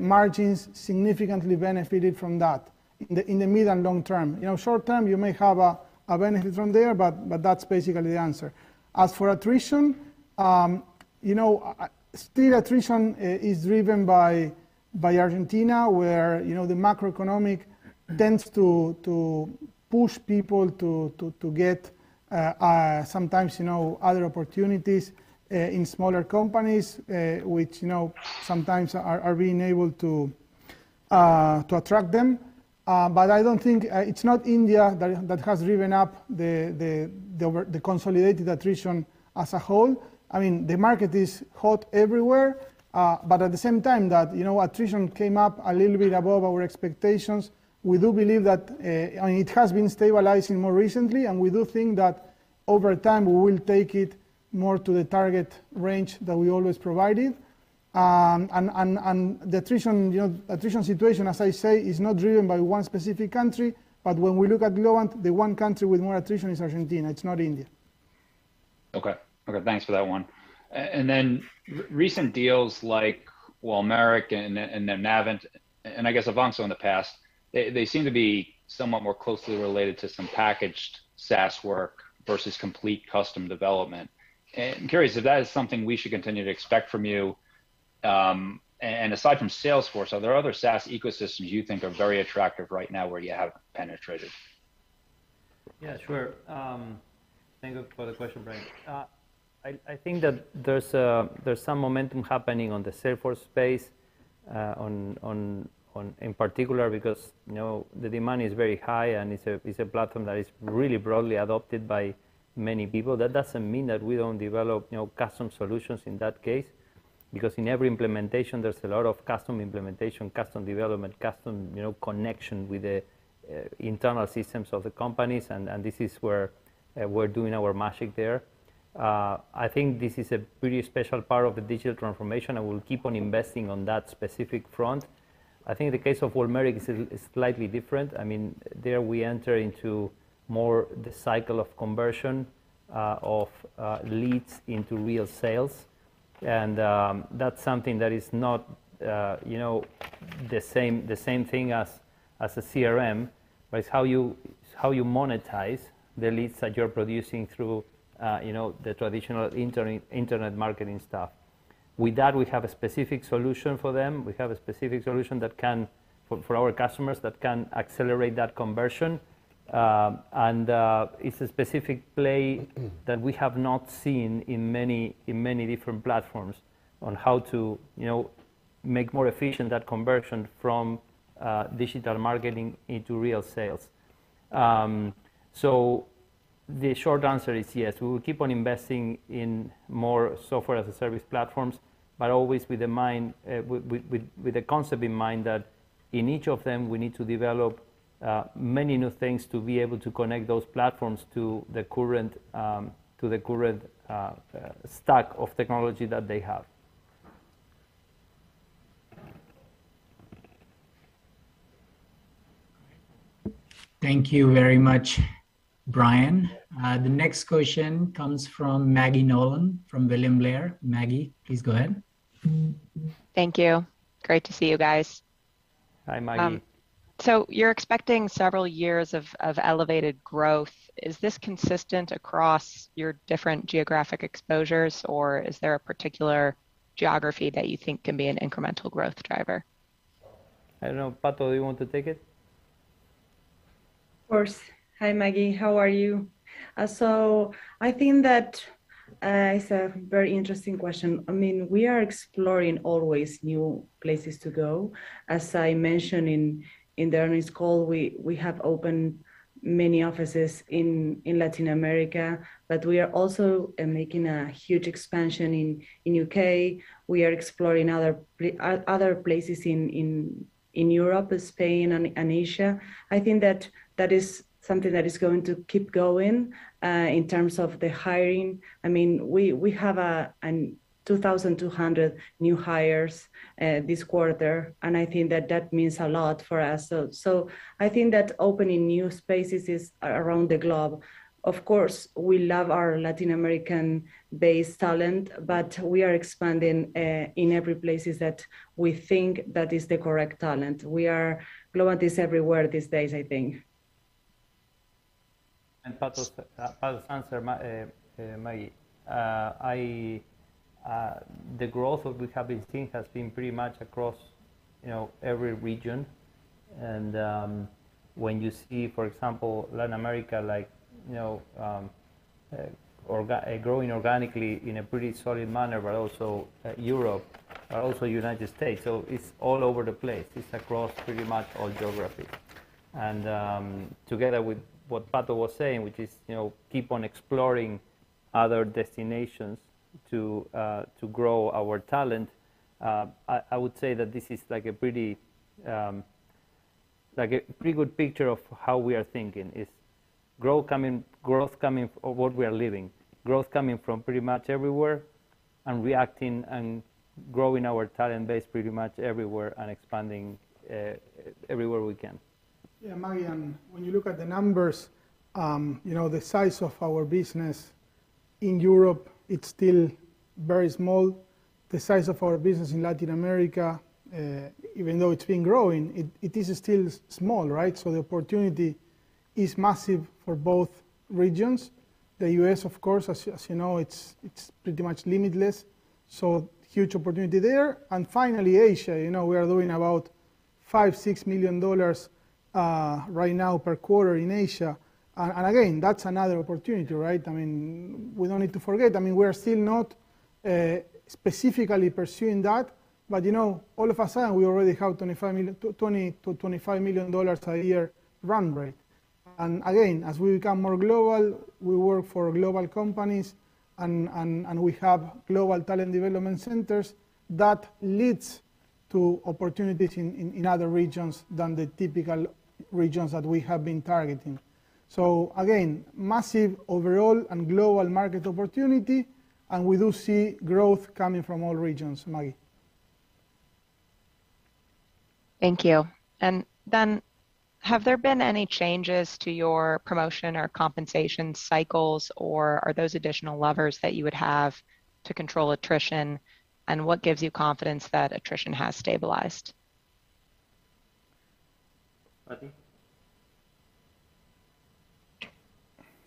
Speaker 5: margins significantly benefited from that in the mid and long term. You know, short term you may have a benefit from there, but that's basically the answer. As for attrition, you know, still attrition is driven by Argentina where, you know, the macroeconomic tends to push people to get sometimes, you know, other opportunities in smaller companies, which, you know, sometimes are being able to attract them. But I don't think it's not India that has driven up the consolidated attrition as a whole. I mean, the market is hot everywhere, but at the same time that, you know, attrition came up a little bit above our expectations. We do believe that, I mean it has been stabilizing more recently, and we do think that over time we will take it more to the target range that we always provided. The attrition, you know, attrition situation, as I say, is not driven by one specific country. When we look at Globant, the one country with more attrition is Argentina, it's not India.
Speaker 8: Okay thanks for that one. Recent deals like Walmeric and then Navint, and I guess Avanxo in the past, they seem to be somewhat more closely related to some packaged SaaS work versus complete custom development. I'm curious if that is something we should continue to expect from you. Aside from Salesforce, are there other SaaS ecosystems you think are very attractive right now where you haven't penetrated?
Speaker 2: Yeah sure thank you for the question, Bryan. I think that there's some momentum happening on the Salesforce space in particular because, you know, the demand is very high and it's a platform that is really broadly adopted by many people. That doesn't mean that we don't develop, you know, custom solutions in that case, because in every implementation there's a lot of custom implementation, custom development, custom, you know, connection with the internal systems of the companies, and this is where we're doing our magic there. I think this is a pretty special part of the digital transformation and we'll keep on investing on that specific front. I think the case of Walmeric is slightly different. I mean there we enter into more the cycle of conversion of leads into real sales. That's something that is not, you know, the same thing as a CRM, but it's how you monetize the leads that you're producing through, you know, the traditional internet marketing stuff. With that, we have a specific solution for our customers that can accelerate that conversion. It's a specific play that we have not seen in many different platforms on how to, you know, make more efficient that conversion from digital marketing into real sales. The short answer is yes, we will keep on investing in more software as a service platforms, but always with the concept in mind that in each of them we need to develop many new things to be able to connect those platforms to the current stack of technology that they have.
Speaker 1: Thank you very much, Bryan. The next question comes from Maggie Nolan from William Blair. Maggie, please go ahead.
Speaker 9: Thank you. Great to see you guys.
Speaker 2: Hi Maggie.
Speaker 9: You're expecting several years of elevated growth. Is this consistent across your different geographic exposures, or is there a particular geography that you think can be an incremental growth driver?
Speaker 2: I don't know. Pato do you want to take it?
Speaker 4: Of course hi Maggie how are you? So I think that it's a very interesting question. I mean, we are exploring always new places to go. As I mentioned in the earnings call, we have opened many offices in Latin America, but we are also making a huge expansion in U.K. We are exploring other places in Europe, Spain, and Asia. I think that that is something that is going to keep going. In terms of the hiring, I mean, we have 2,200 new hires this quarter and I think that that means a lot for us. I think that opening new spaces is around the globe. Of course, we love our Latin American-based talent, but we are expanding in every places that we think that is the correct talent. Globant is everywhere these days, I think.
Speaker 2: Pato's answer, Maggie, the growth that we have been seeing has been pretty much across, you know, every region. When you see, for example, Latin America, like, you know, growing organically in a pretty solid manner, but also Europe, also United States, so it's all over the place. It's across pretty much all geography. Together with what Pato was saying, which is, you know, keep on exploring other destinations to grow our talent, I would say that this is like a pretty good picture of how we are thinking, growth coming from what we are living, growth coming from pretty much everywhere and reacting and growing our talent base pretty much everywhere and expanding everywhere we can.
Speaker 5: Yeah, Maggie when you look at the numbers, you know, the size of our business in Europe, it's still very small. The size of our business in Latin America, even though it's been growing, it is still small, right? The opportunity is massive for both regions. The U.S., of course, as you know, it's pretty much limitless, so huge opportunity there. Finally, Asia. You know, we are doing about $5 million-$6 million right now per quarter in Asia. Again, that's another opportunity, right? I mean, we don't need to forget. I mean, we're still not specifically pursuing that. You know, all of a sudden, we already have $20-$25 million a year run rate. Again as we become more global, we work for global companies and we have global talent development centers that leads to opportunities in other regions than the typical regions that we have been targeting. Again, massive overall and global market opportunity, and we do see growth coming from all regions, Maggie.
Speaker 9: Thank you have there been any changes to your promotion or compensation cycles, or are those additional levers that you would have to control attrition? What gives you confidence that attrition has stabilized?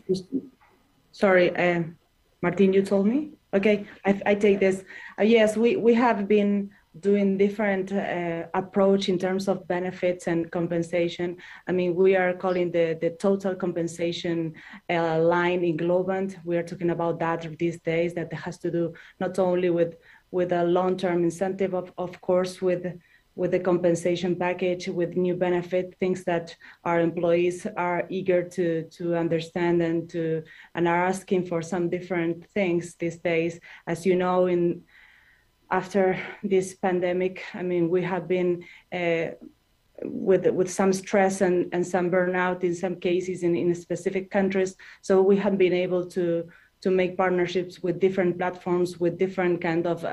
Speaker 1: Martin?
Speaker 4: Sorry Martin, you told me? Okay. I take this. Yes, we have been doing different approach in terms of benefits and compensation. I mean, we are calling the total compensation line in Globant. We are talking about that these days. That has to do not only with a long-term incentive of course, with a compensation package, with new benefit things that our employees are eager to understand and are asking for some different things these days. As you know, after this pandemic, I mean, we have been with some stress and some burnout in some cases in specific countries. We have been able to make partnerships with different platforms, with different kind of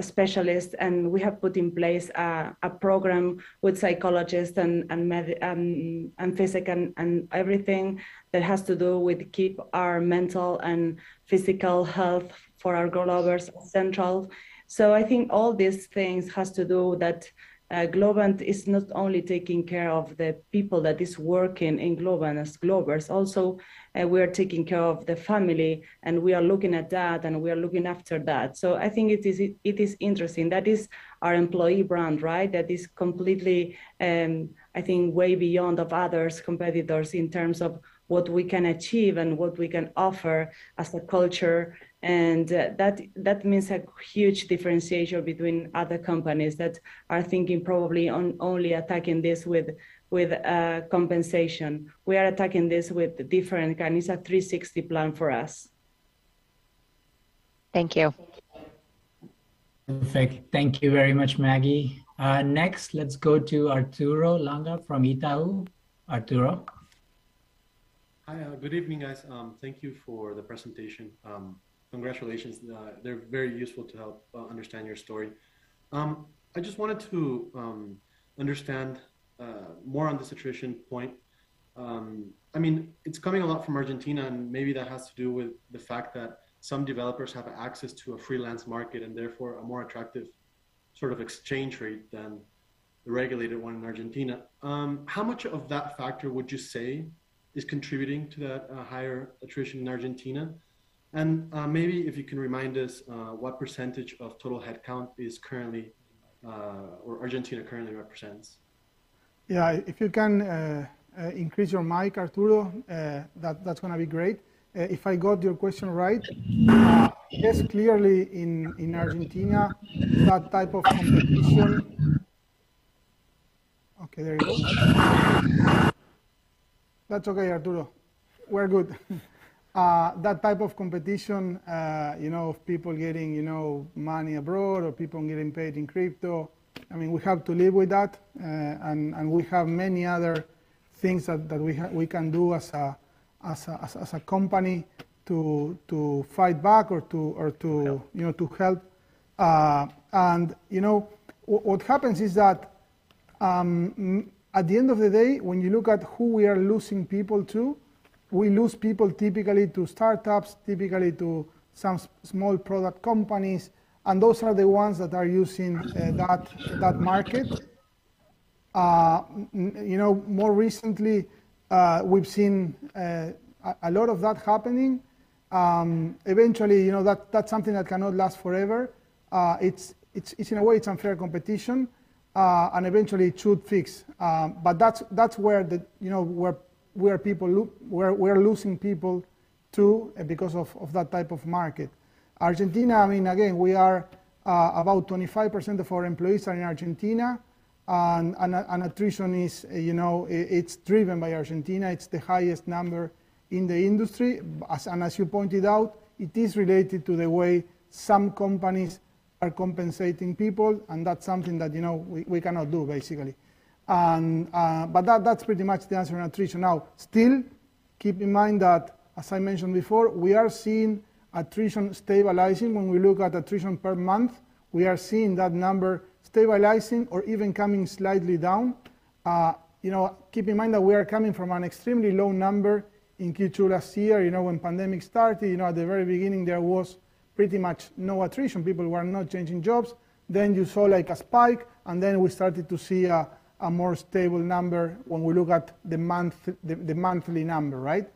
Speaker 4: specialists. We have put in place a program with psychologists and medical and physical and everything that has to do with keeping our mental and physical health for our Globers central. I think all these things have to do with that Globant is not only taking care of the people who are working in Globant as Globers. We are also taking care of the family, and we are looking at that, and we are looking after that. I think it is interesting. That is our employee brand, right? That is completely, I think, way beyond other competitors in terms of what we can achieve and what we can offer as a culture. That means a huge differentiation between other companies that are thinking probably on only attacking this with compensation. We are attacking this. It's a 360 plan for us.
Speaker 9: Thank you.
Speaker 1: Perfect. Thank you very much, Maggie. Next let's go to Arturo Langa from Itaú. Arturo.
Speaker 10: Hi good evening guys. Thank you for the presentation. Congratulations. They're very useful to help understand your story. I just wanted to understand more on this attrition point. I mean, it's coming a lot from Argentina, and maybe that has to do with the fact that some developers have access to a freelance market and therefore a more attractive sort of exchange rate than the regulated one in Argentina. How much of that factor would you say is contributing to that higher attrition in Argentina? Maybe if you can remind us what percentage of total headcount Argentina currently represents.
Speaker 5: Yeah. If you can increase your mic, Arturo, that's gonna be great. If I got your question right. Yes, clearly in Argentina, that type of competition. Okay, there we go. That's okay, Arturo. We're good. That type of competition, you know, of people getting, you know, money abroad or people getting paid in crypto, I mean, we have to live with that. We have many other things that we can do as a company to fight back or to.
Speaker 2: Help.
Speaker 5: You know, to help. You know, what happens is that at the end of the day, when you look at who we are losing people to, we lose people typically to startups, typically to some small product companies, and those are the ones that are using that market. You know, more recently, we've seen a lot of that happening. Eventually, you know, that's something that cannot last forever. It's in a way it's unfair competition, and eventually it should fix. But that's where, you know, where we're losing people to because of that type of market. Argentina, I mean, again, we are about 25% of our employees are in Argentina. Attrition is, you know, it's driven by Argentina. It's the highest number in the industry. As you pointed out, it is related to the way some companies are compensating people, and that's something that, you know, we cannot do basically. That's pretty much the answer on attrition. Now, still, keep in mind that, as I mentioned before, we are seeing attrition stabilizing. When we look at attrition per month, we are seeing that number stabilizing or even coming slightly down. You know, keep in mind that we are coming from an extremely low number in Q2 last year. You know, when pandemic started, you know, at the very beginning, there was pretty much no attrition. People were not changing jobs. You saw like a spike, and then we started to see a more stable number when we look at the month, the monthly number, right?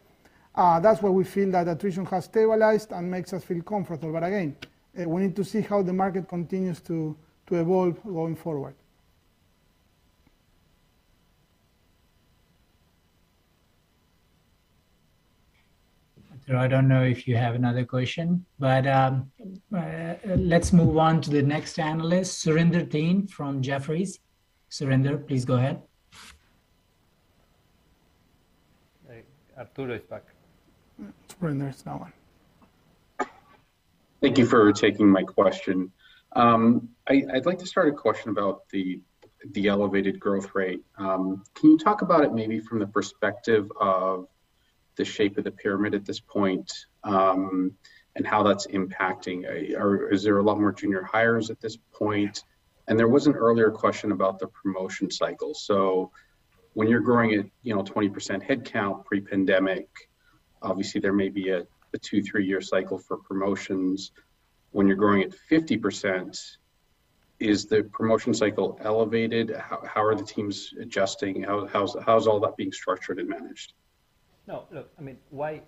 Speaker 5: That's why we feel that attrition has stabilized and makes us feel comfortable. Again, we need to see how the market continues to evolve going forward.
Speaker 1: Arturo, I don't know if you have another question, but, let's move on to the next analyst, Surinder Thind from Jefferies. Surinder, please go ahead.
Speaker 2: Hey, Arturo is back.
Speaker 1: Surinder, it's no one.
Speaker 11: Thank you for taking my question. I'd like to start a question about the elevated growth rate. Can you talk about it maybe from the perspective of the shape of the pyramid at this point, and how that's impacting? Or is there a lot more junior hires at this point? There was an earlier question about the promotion cycle. When you're growing at, you know, 20% headcount pre-pandemic, obviously there may be a two to three year cycle for promotions. When you're growing at 50%, is the promotion cycle elevated? How are the teams adjusting? How's all that being structured and managed?
Speaker 2: No, look, I mean, why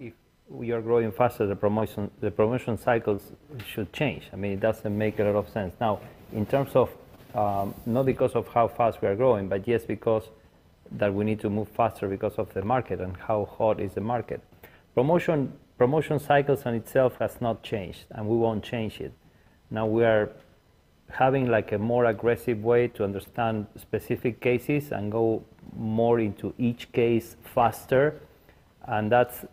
Speaker 2: if we are growing faster, the promotion cycles should change. I mean, it doesn't make a lot of sense. Now, in terms of, not because of how fast we are growing, but just because that we need to move faster because of the market and how hot is the market. Promotion cycles in itself has not changed, and we won't change it. Now, we are having like a more aggressive way to understand specific cases and go more into each case faster, and that's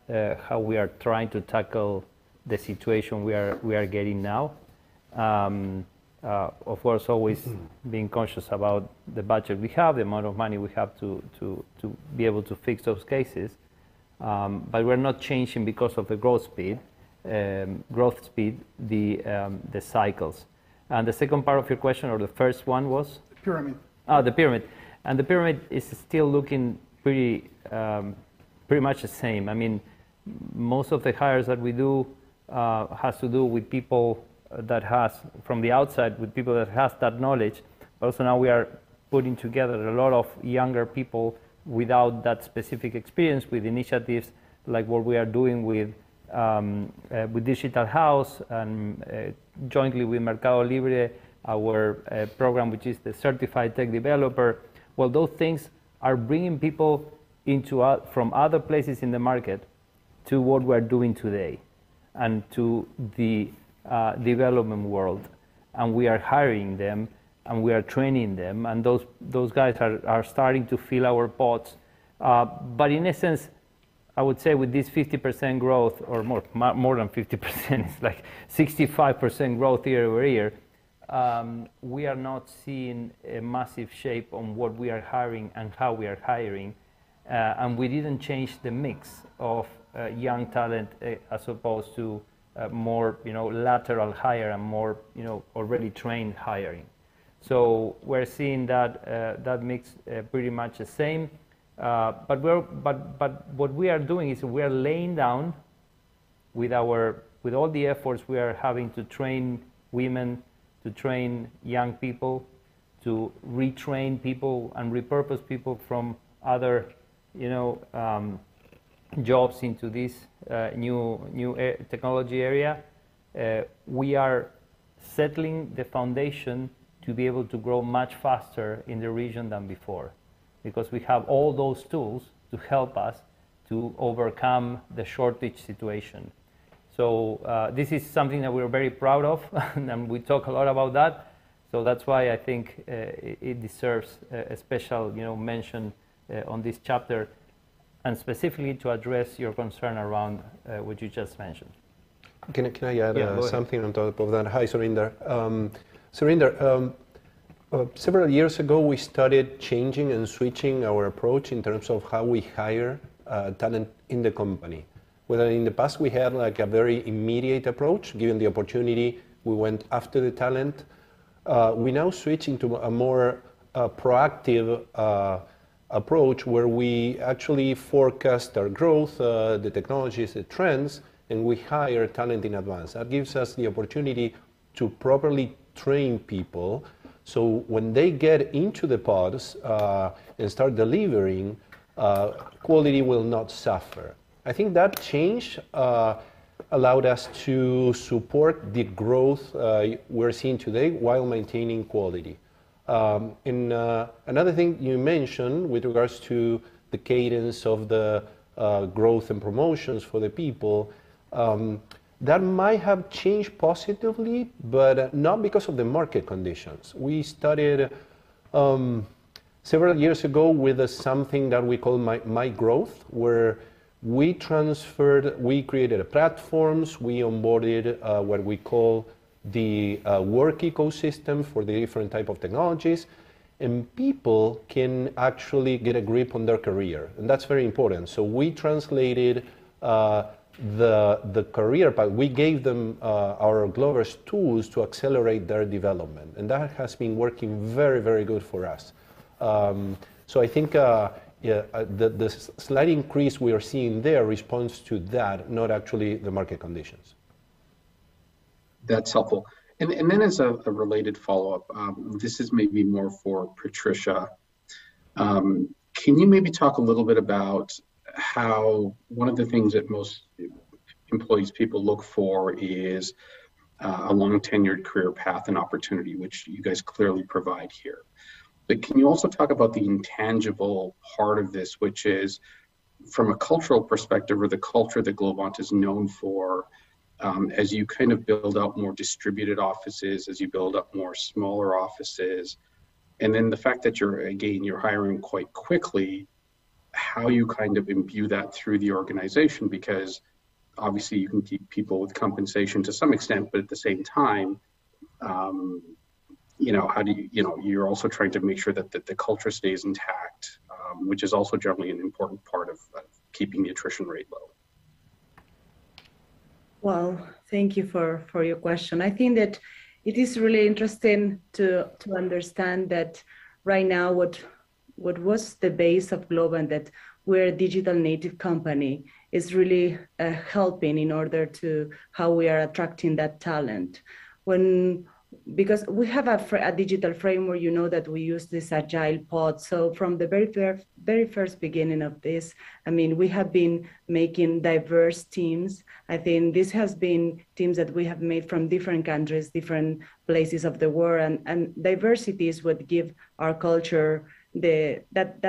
Speaker 2: how we are trying to tackle the situation we are getting now. Of course, always being conscious about the budget we have, the amount of money we have to be able to fix those cases. We're not changing because of the growth speed, the cycles. The second part of your question or the first one was?
Speaker 5: The pyramid.
Speaker 2: The pyramid is still looking pretty much the same. I mean, most of the hires that we do has to do with people that has from the outside, with people that has that knowledge. But also now we are putting together a lot of younger people without that specific experience with initiatives like what we are doing with Digital House and jointly with Mercado Libre, our program, which is the Certified Tech Developer. Those things are bringing people from other places in the market to what we're doing today and to the development world, and we are hiring them, and we are training them, and those guys are starting to fill our pods. In a sense, I would say with this 50% growth or more, more than 50%, it's like 65% growth year-over-year, we are not seeing a massive shift on what we are hiring and how we are hiring, and we didn't change the mix of young talent as opposed to more, you know, lateral hire and more, you know, already trained hiring. We're seeing that mix pretty much the same. What we are doing is we are doubling down with all our efforts to train women, to train young people, to retrain people and repurpose people from other, you know, jobs into this new technology area. We are settling the foundation to be able to grow much faster in the region than before because we have all those tools to help us to overcome the shortage situation. This is something that we're very proud of, and we talk a lot about that. That's why I think it deserves a special, you know, mention on this chapter, and specifically to address your concern around what you just mentioned.
Speaker 3: Can I add something on top of that?
Speaker 2: Yeah, go ahead.
Speaker 3: Hi, Surinder. Several years ago, we started changing and switching our approach in terms of how we hire talent in the company. Where in the past we had like a very immediate approach. Given the opportunity, we went after the talent. We're now switching to a more proactive approach where we actually forecast our growth, the technologies, the trends, and we hire talent in advance. That gives us the opportunity to properly train people, so when they get into the pods and start delivering, quality will not suffer. I think that change allowed us to support the growth we're seeing today while maintaining quality. Another thing you mentioned with regards to the cadence of the growth and promotions for the people, that might have changed positively, but not because of the market conditions. We started several years ago with something that we call My Growth, where we created platforms, we onboarded what we call the work ecosystem for the different type of technologies, and people can actually get a grip on their career, and that's very important. We translated the career path. We gave them our Globers tools to accelerate their development, and that has been working very good for us. I think, yeah, the slight increase we are seeing there responds to that, not actually the market conditions.
Speaker 11: That's helpful. Then as a related follow-up, this is maybe more for Patricia. Can you maybe talk a little bit about how one of the things that most employees, people look for is a long-tenured career path and opportunity, which you guys clearly provide here. Can you also talk about the intangible part of this, which is from a cultural perspective or the culture that Globant is known for, as you kind of build out more distributed offices, as you build up more smaller offices, and then the fact that you're, again, hiring quite quickly, how you kind of imbue that through the organization because obviously you can keep people with compensation to some extent, but at the same time, you know, how do you... You know, you're also trying to make sure that the culture stays intact, which is also generally an important part of keeping the attrition rate low.
Speaker 4: Well, thank you for your question. I think that it is really interesting to understand that right now what was the base of Globant that we're a digital native company is really helping in order to how we are attracting that talent. Because we have a digital framework, you know, that we use this agile pod. So from the very first beginning of this, I mean, we have been making diverse teams. I think this has been teams that we have made from different countries, different places of the world, and diversity is what give our culture that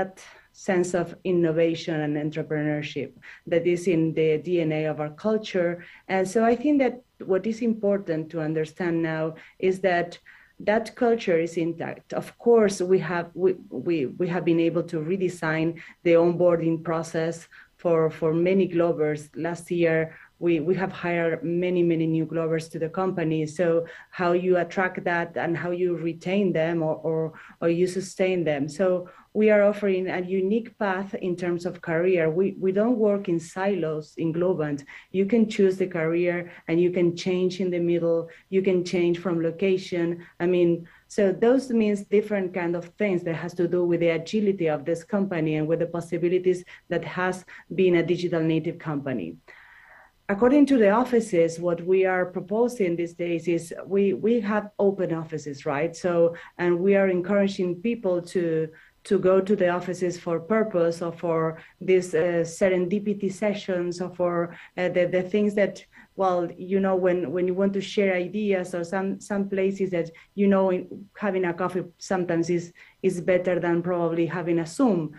Speaker 4: sense of innovation and entrepreneurship that is in the DNA of our culture. I think that what is important to understand now is that that culture is intact. Of course, we have been able to redesign the onboarding process for many Globers. Last year we have hired many new Globers to the company, so how you attract that and how you retain them or you sustain them. We are offering a unique path in terms of career. We don't work in silos in Globant. You can choose the career, and you can change in the middle, you can change from location. I mean, so those means different kind of things that has to do with the agility of this company and with the possibilities that has been a digital native company. According to the offices, what we are proposing these days is we have open offices, right? We are encouraging people to go to the offices for purpose or for these serendipity sessions or for the things that, well, you know, when you want to share ideas or some places that, you know, having a coffee sometimes is better than probably having a Zoom.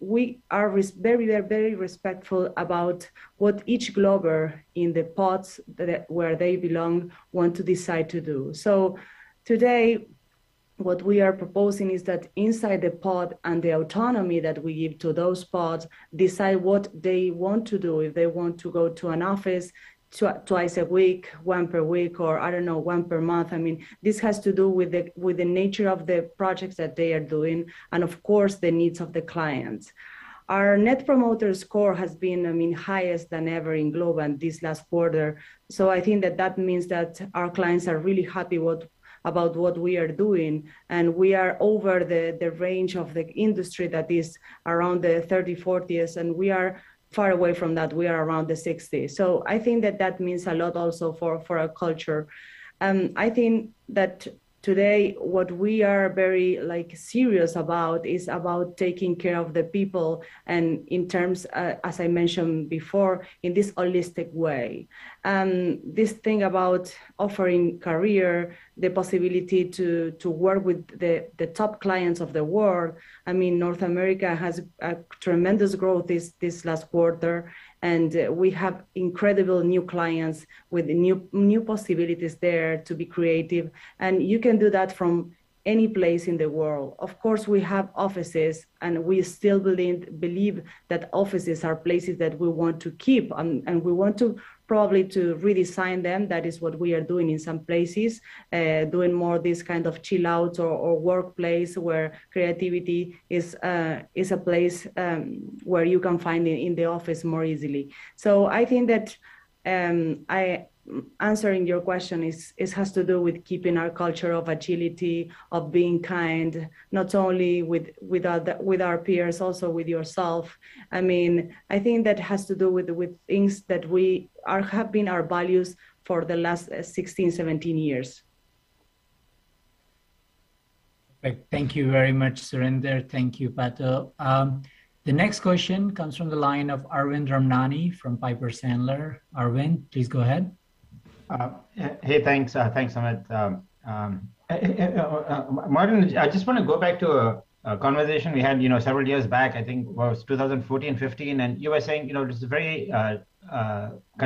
Speaker 4: We are very, very respectful about what each Glober in the pods that, where they belong want to decide to do. Today, what we are proposing is that inside the pod and the autonomy that we give to those pods decide what they want to do. If they want to go to an office twice a week, once per week, or, I don't know, once per month. I mean, this has to do with the nature of the projects that they are doing and, of course, the needs of the clients. Our Net Promoter Score has been, I mean, higher than ever in Globant this last quarter. I think that that means that our clients are really happy about what we are doing, and we are over the range of the industry that is around the 30-40, and we are far away from that. We are around the 60. I think that that means a lot also for our culture. I think that today what we are very, like, serious about is taking care of the people and in terms, as I mentioned before, in this holistic way. This thing about offering career, the possibility to work with the top clients of the world. I mean, North America has a tremendous growth this last quarter, and we have incredible new clients with new possibilities there to be creative. You can do that from any place in the world. Of course, we have offices, and we still believe that offices are places that we want to keep and we want to probably to redesign them. That is what we are doing in some places, doing more this kind of chill-outs or workplace where creativity is a place where you can find it in the office more easily. Answering your question, it has to do with keeping our culture of agility, of being kind, not only with our peers, also with yourself. I mean, I think that has to do with things that have been our values for the last 16, 17 years.
Speaker 1: Thank you very much, Surinder. Thank you, Pato. The next question comes from the line of Arvind Ramnani from Piper Sandler. Arvind, please go ahead.
Speaker 12: Yeah hey thanks. Thanks Amit, Martin, I just wanna go back to a conversation we had, you know, several years back, I think it was 2014, 2015, and you were saying, you know, just very kind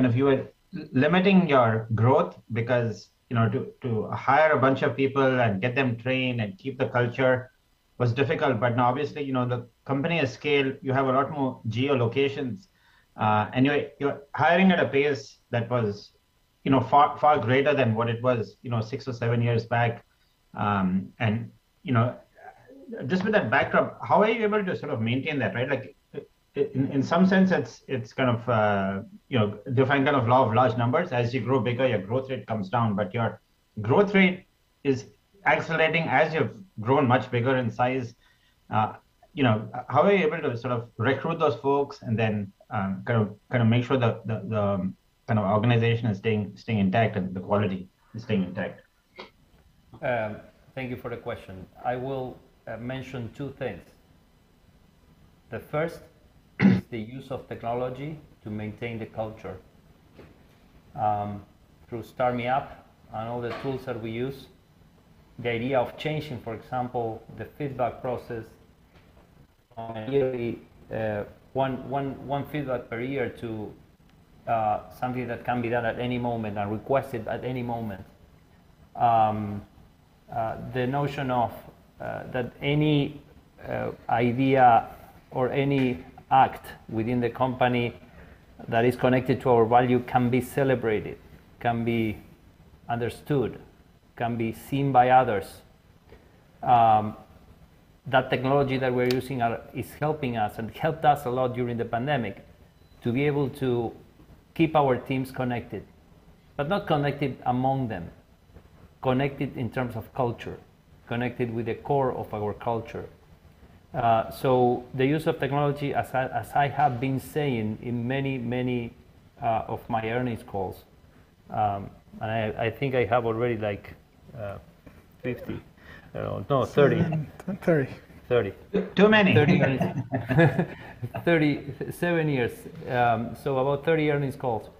Speaker 12: of you were limiting your growth because, you know, to hire a bunch of people and get them trained and keep the culture was difficult. Now obviously, you know, the company has scaled. You have a lot more geolocations, and you're hiring at a pace that was, you know, far greater than what it was, you know, six or seven years back. And, you know, just with that backdrop, how are you able to sort of maintain that? Right. Like, in some sense, it's kind of, you know, defied the law of large numbers. As you grow bigger, your growth rate comes down, but your growth rate is accelerating as you've grown much bigger in size. You know, how are you able to sort of recruit those folks and then, kind of make sure that the kind of organization is staying intact and the quality is staying intact?
Speaker 2: Thank you for the question. I will mention two things. The first, the use of technology to maintain the culture, through StarMeUp and all the tools that we use. The idea of changing, for example, the feedback process on a yearly one feedback per year to something that can be done at any moment and requested at any moment. The notion of that any idea or any act within the company that is connected to our value can be celebrated, can be understood, can be seen by others. That technology that we're using is helping us and helped us a lot during the pandemic to be able to keep our teams connected, but not connected among them, connected in terms of culture, connected with the core of our culture. The use of technology, as I have been saying in many of my earnings calls, and I think I have already like 50, no, 30.
Speaker 5: 30.
Speaker 2: 30.
Speaker 1: Too many.
Speaker 2: 37 years, so about 30 earnings calls.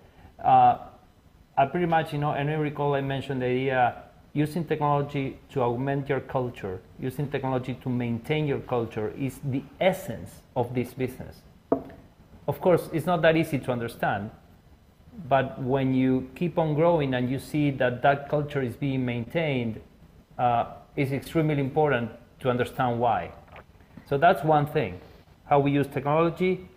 Speaker 2: I pretty much, you know, and I recall I mentioned the idea using technology to augment your culture, using technology to maintain your culture is the essence of this business. Of course, it's not that easy to understand, but when you keep on growing and you see that culture is being maintained, is extremely important to understand why. That's one thing, how we use technology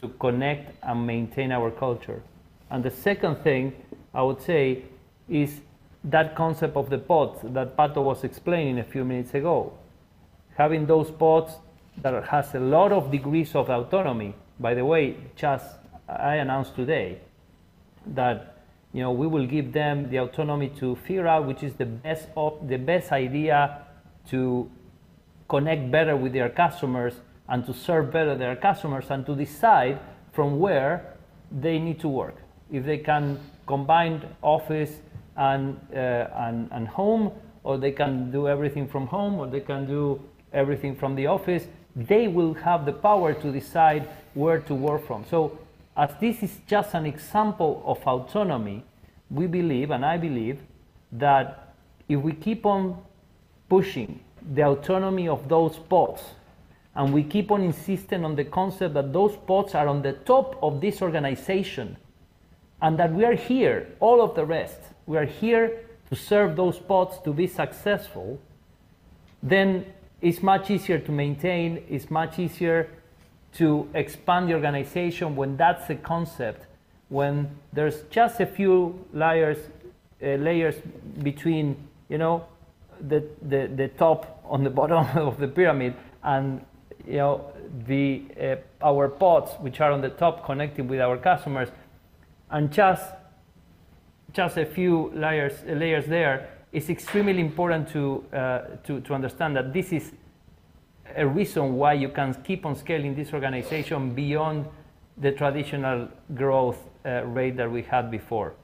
Speaker 2: to connect and maintain our culture. The second thing I would say is that concept of the pods that Pato was explaining a few minutes ago. Having those pods that has a lot of degrees of autonomy. By the way, I just announced today that, you know, we will give them the autonomy to figure out which is the best idea to connect better with their customers and to serve better their customers, and to decide from where they need to work. If they can combine office and home, or they can do everything from home, or they can do everything from the office, they will have the power to decide where to work from. as this is just an example of autonomy, we believe, and I believe, that if we keep on pushing the autonomy of those pods, and we keep on insisting on the concept that those pods are on the top of this organization and that we are here, all of the rest, we are here to serve those pods to be successful, then it's much easier to maintain, it's much easier to expand the organization when that's a concept. When there's just a few layers between, you know, the top and the bottom of the pyramid and, you know, our pods, which are on the top connecting with our customers, and just a few layers there, it's extremely important to understand that this is a reason why you can keep on scaling this organization beyond the traditional growth rate that we had before.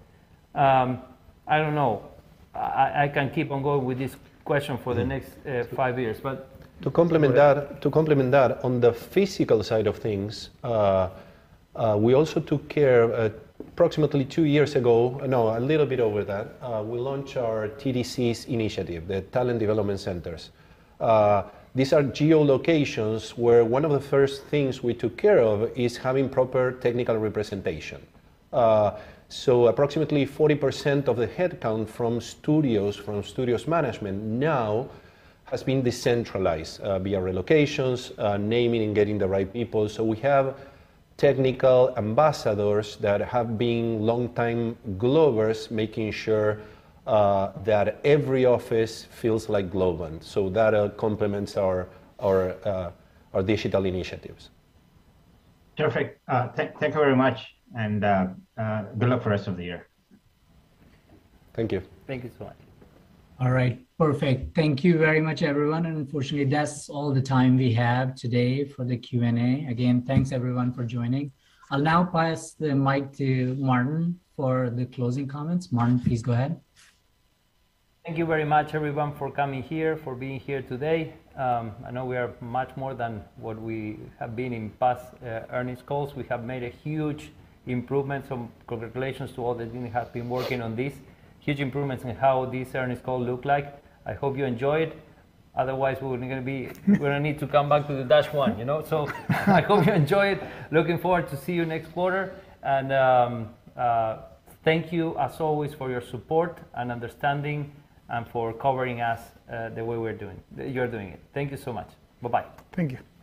Speaker 2: I don't know. I can keep on going with this question for the next five years, but.
Speaker 3: To complement that, on the physical side of things, we also took care a little bit over that, we launched our TDCs initiative, the Talent Development Centers. These are geolocations where one of the first things we took care of is having proper technical representation. Approximately 40% of the headcount from studios management now has been decentralized via relocations, naming and getting the right people. We have technical ambassadors that have been longtime Globers making sure that every office feels like Globant. That complements our digital initiatives.
Speaker 12: Perfect. Thank you very much and good luck for the rest of the year.
Speaker 3: Thank you.
Speaker 2: Thank you so much.
Speaker 1: All right. Perfect. Thank you very much, everyone. Unfortunately, that's all the time we have today for the Q&A. Again, thanks everyone for joining. I'll now pass the mic to Martin for the closing comments. Martin, please go ahead.
Speaker 2: Thank you very much everyone, for coming here, for being here today. I know we are much more than what we have been in past earnings calls. We have made a huge improvements, so congratulations to all the team who have been working on this. Huge improvements in how this earnings call look like. I hope you enjoy it. Otherwise, we're gonna need to come back to the Dash-1, you know? I hope you enjoy it. Looking forward to see you next quarter. Thank you as always for your support and understanding and for covering us the way you're doing it. Thank you so much. Bye-bye.
Speaker 1: Thank you.
Speaker 2: Cheers.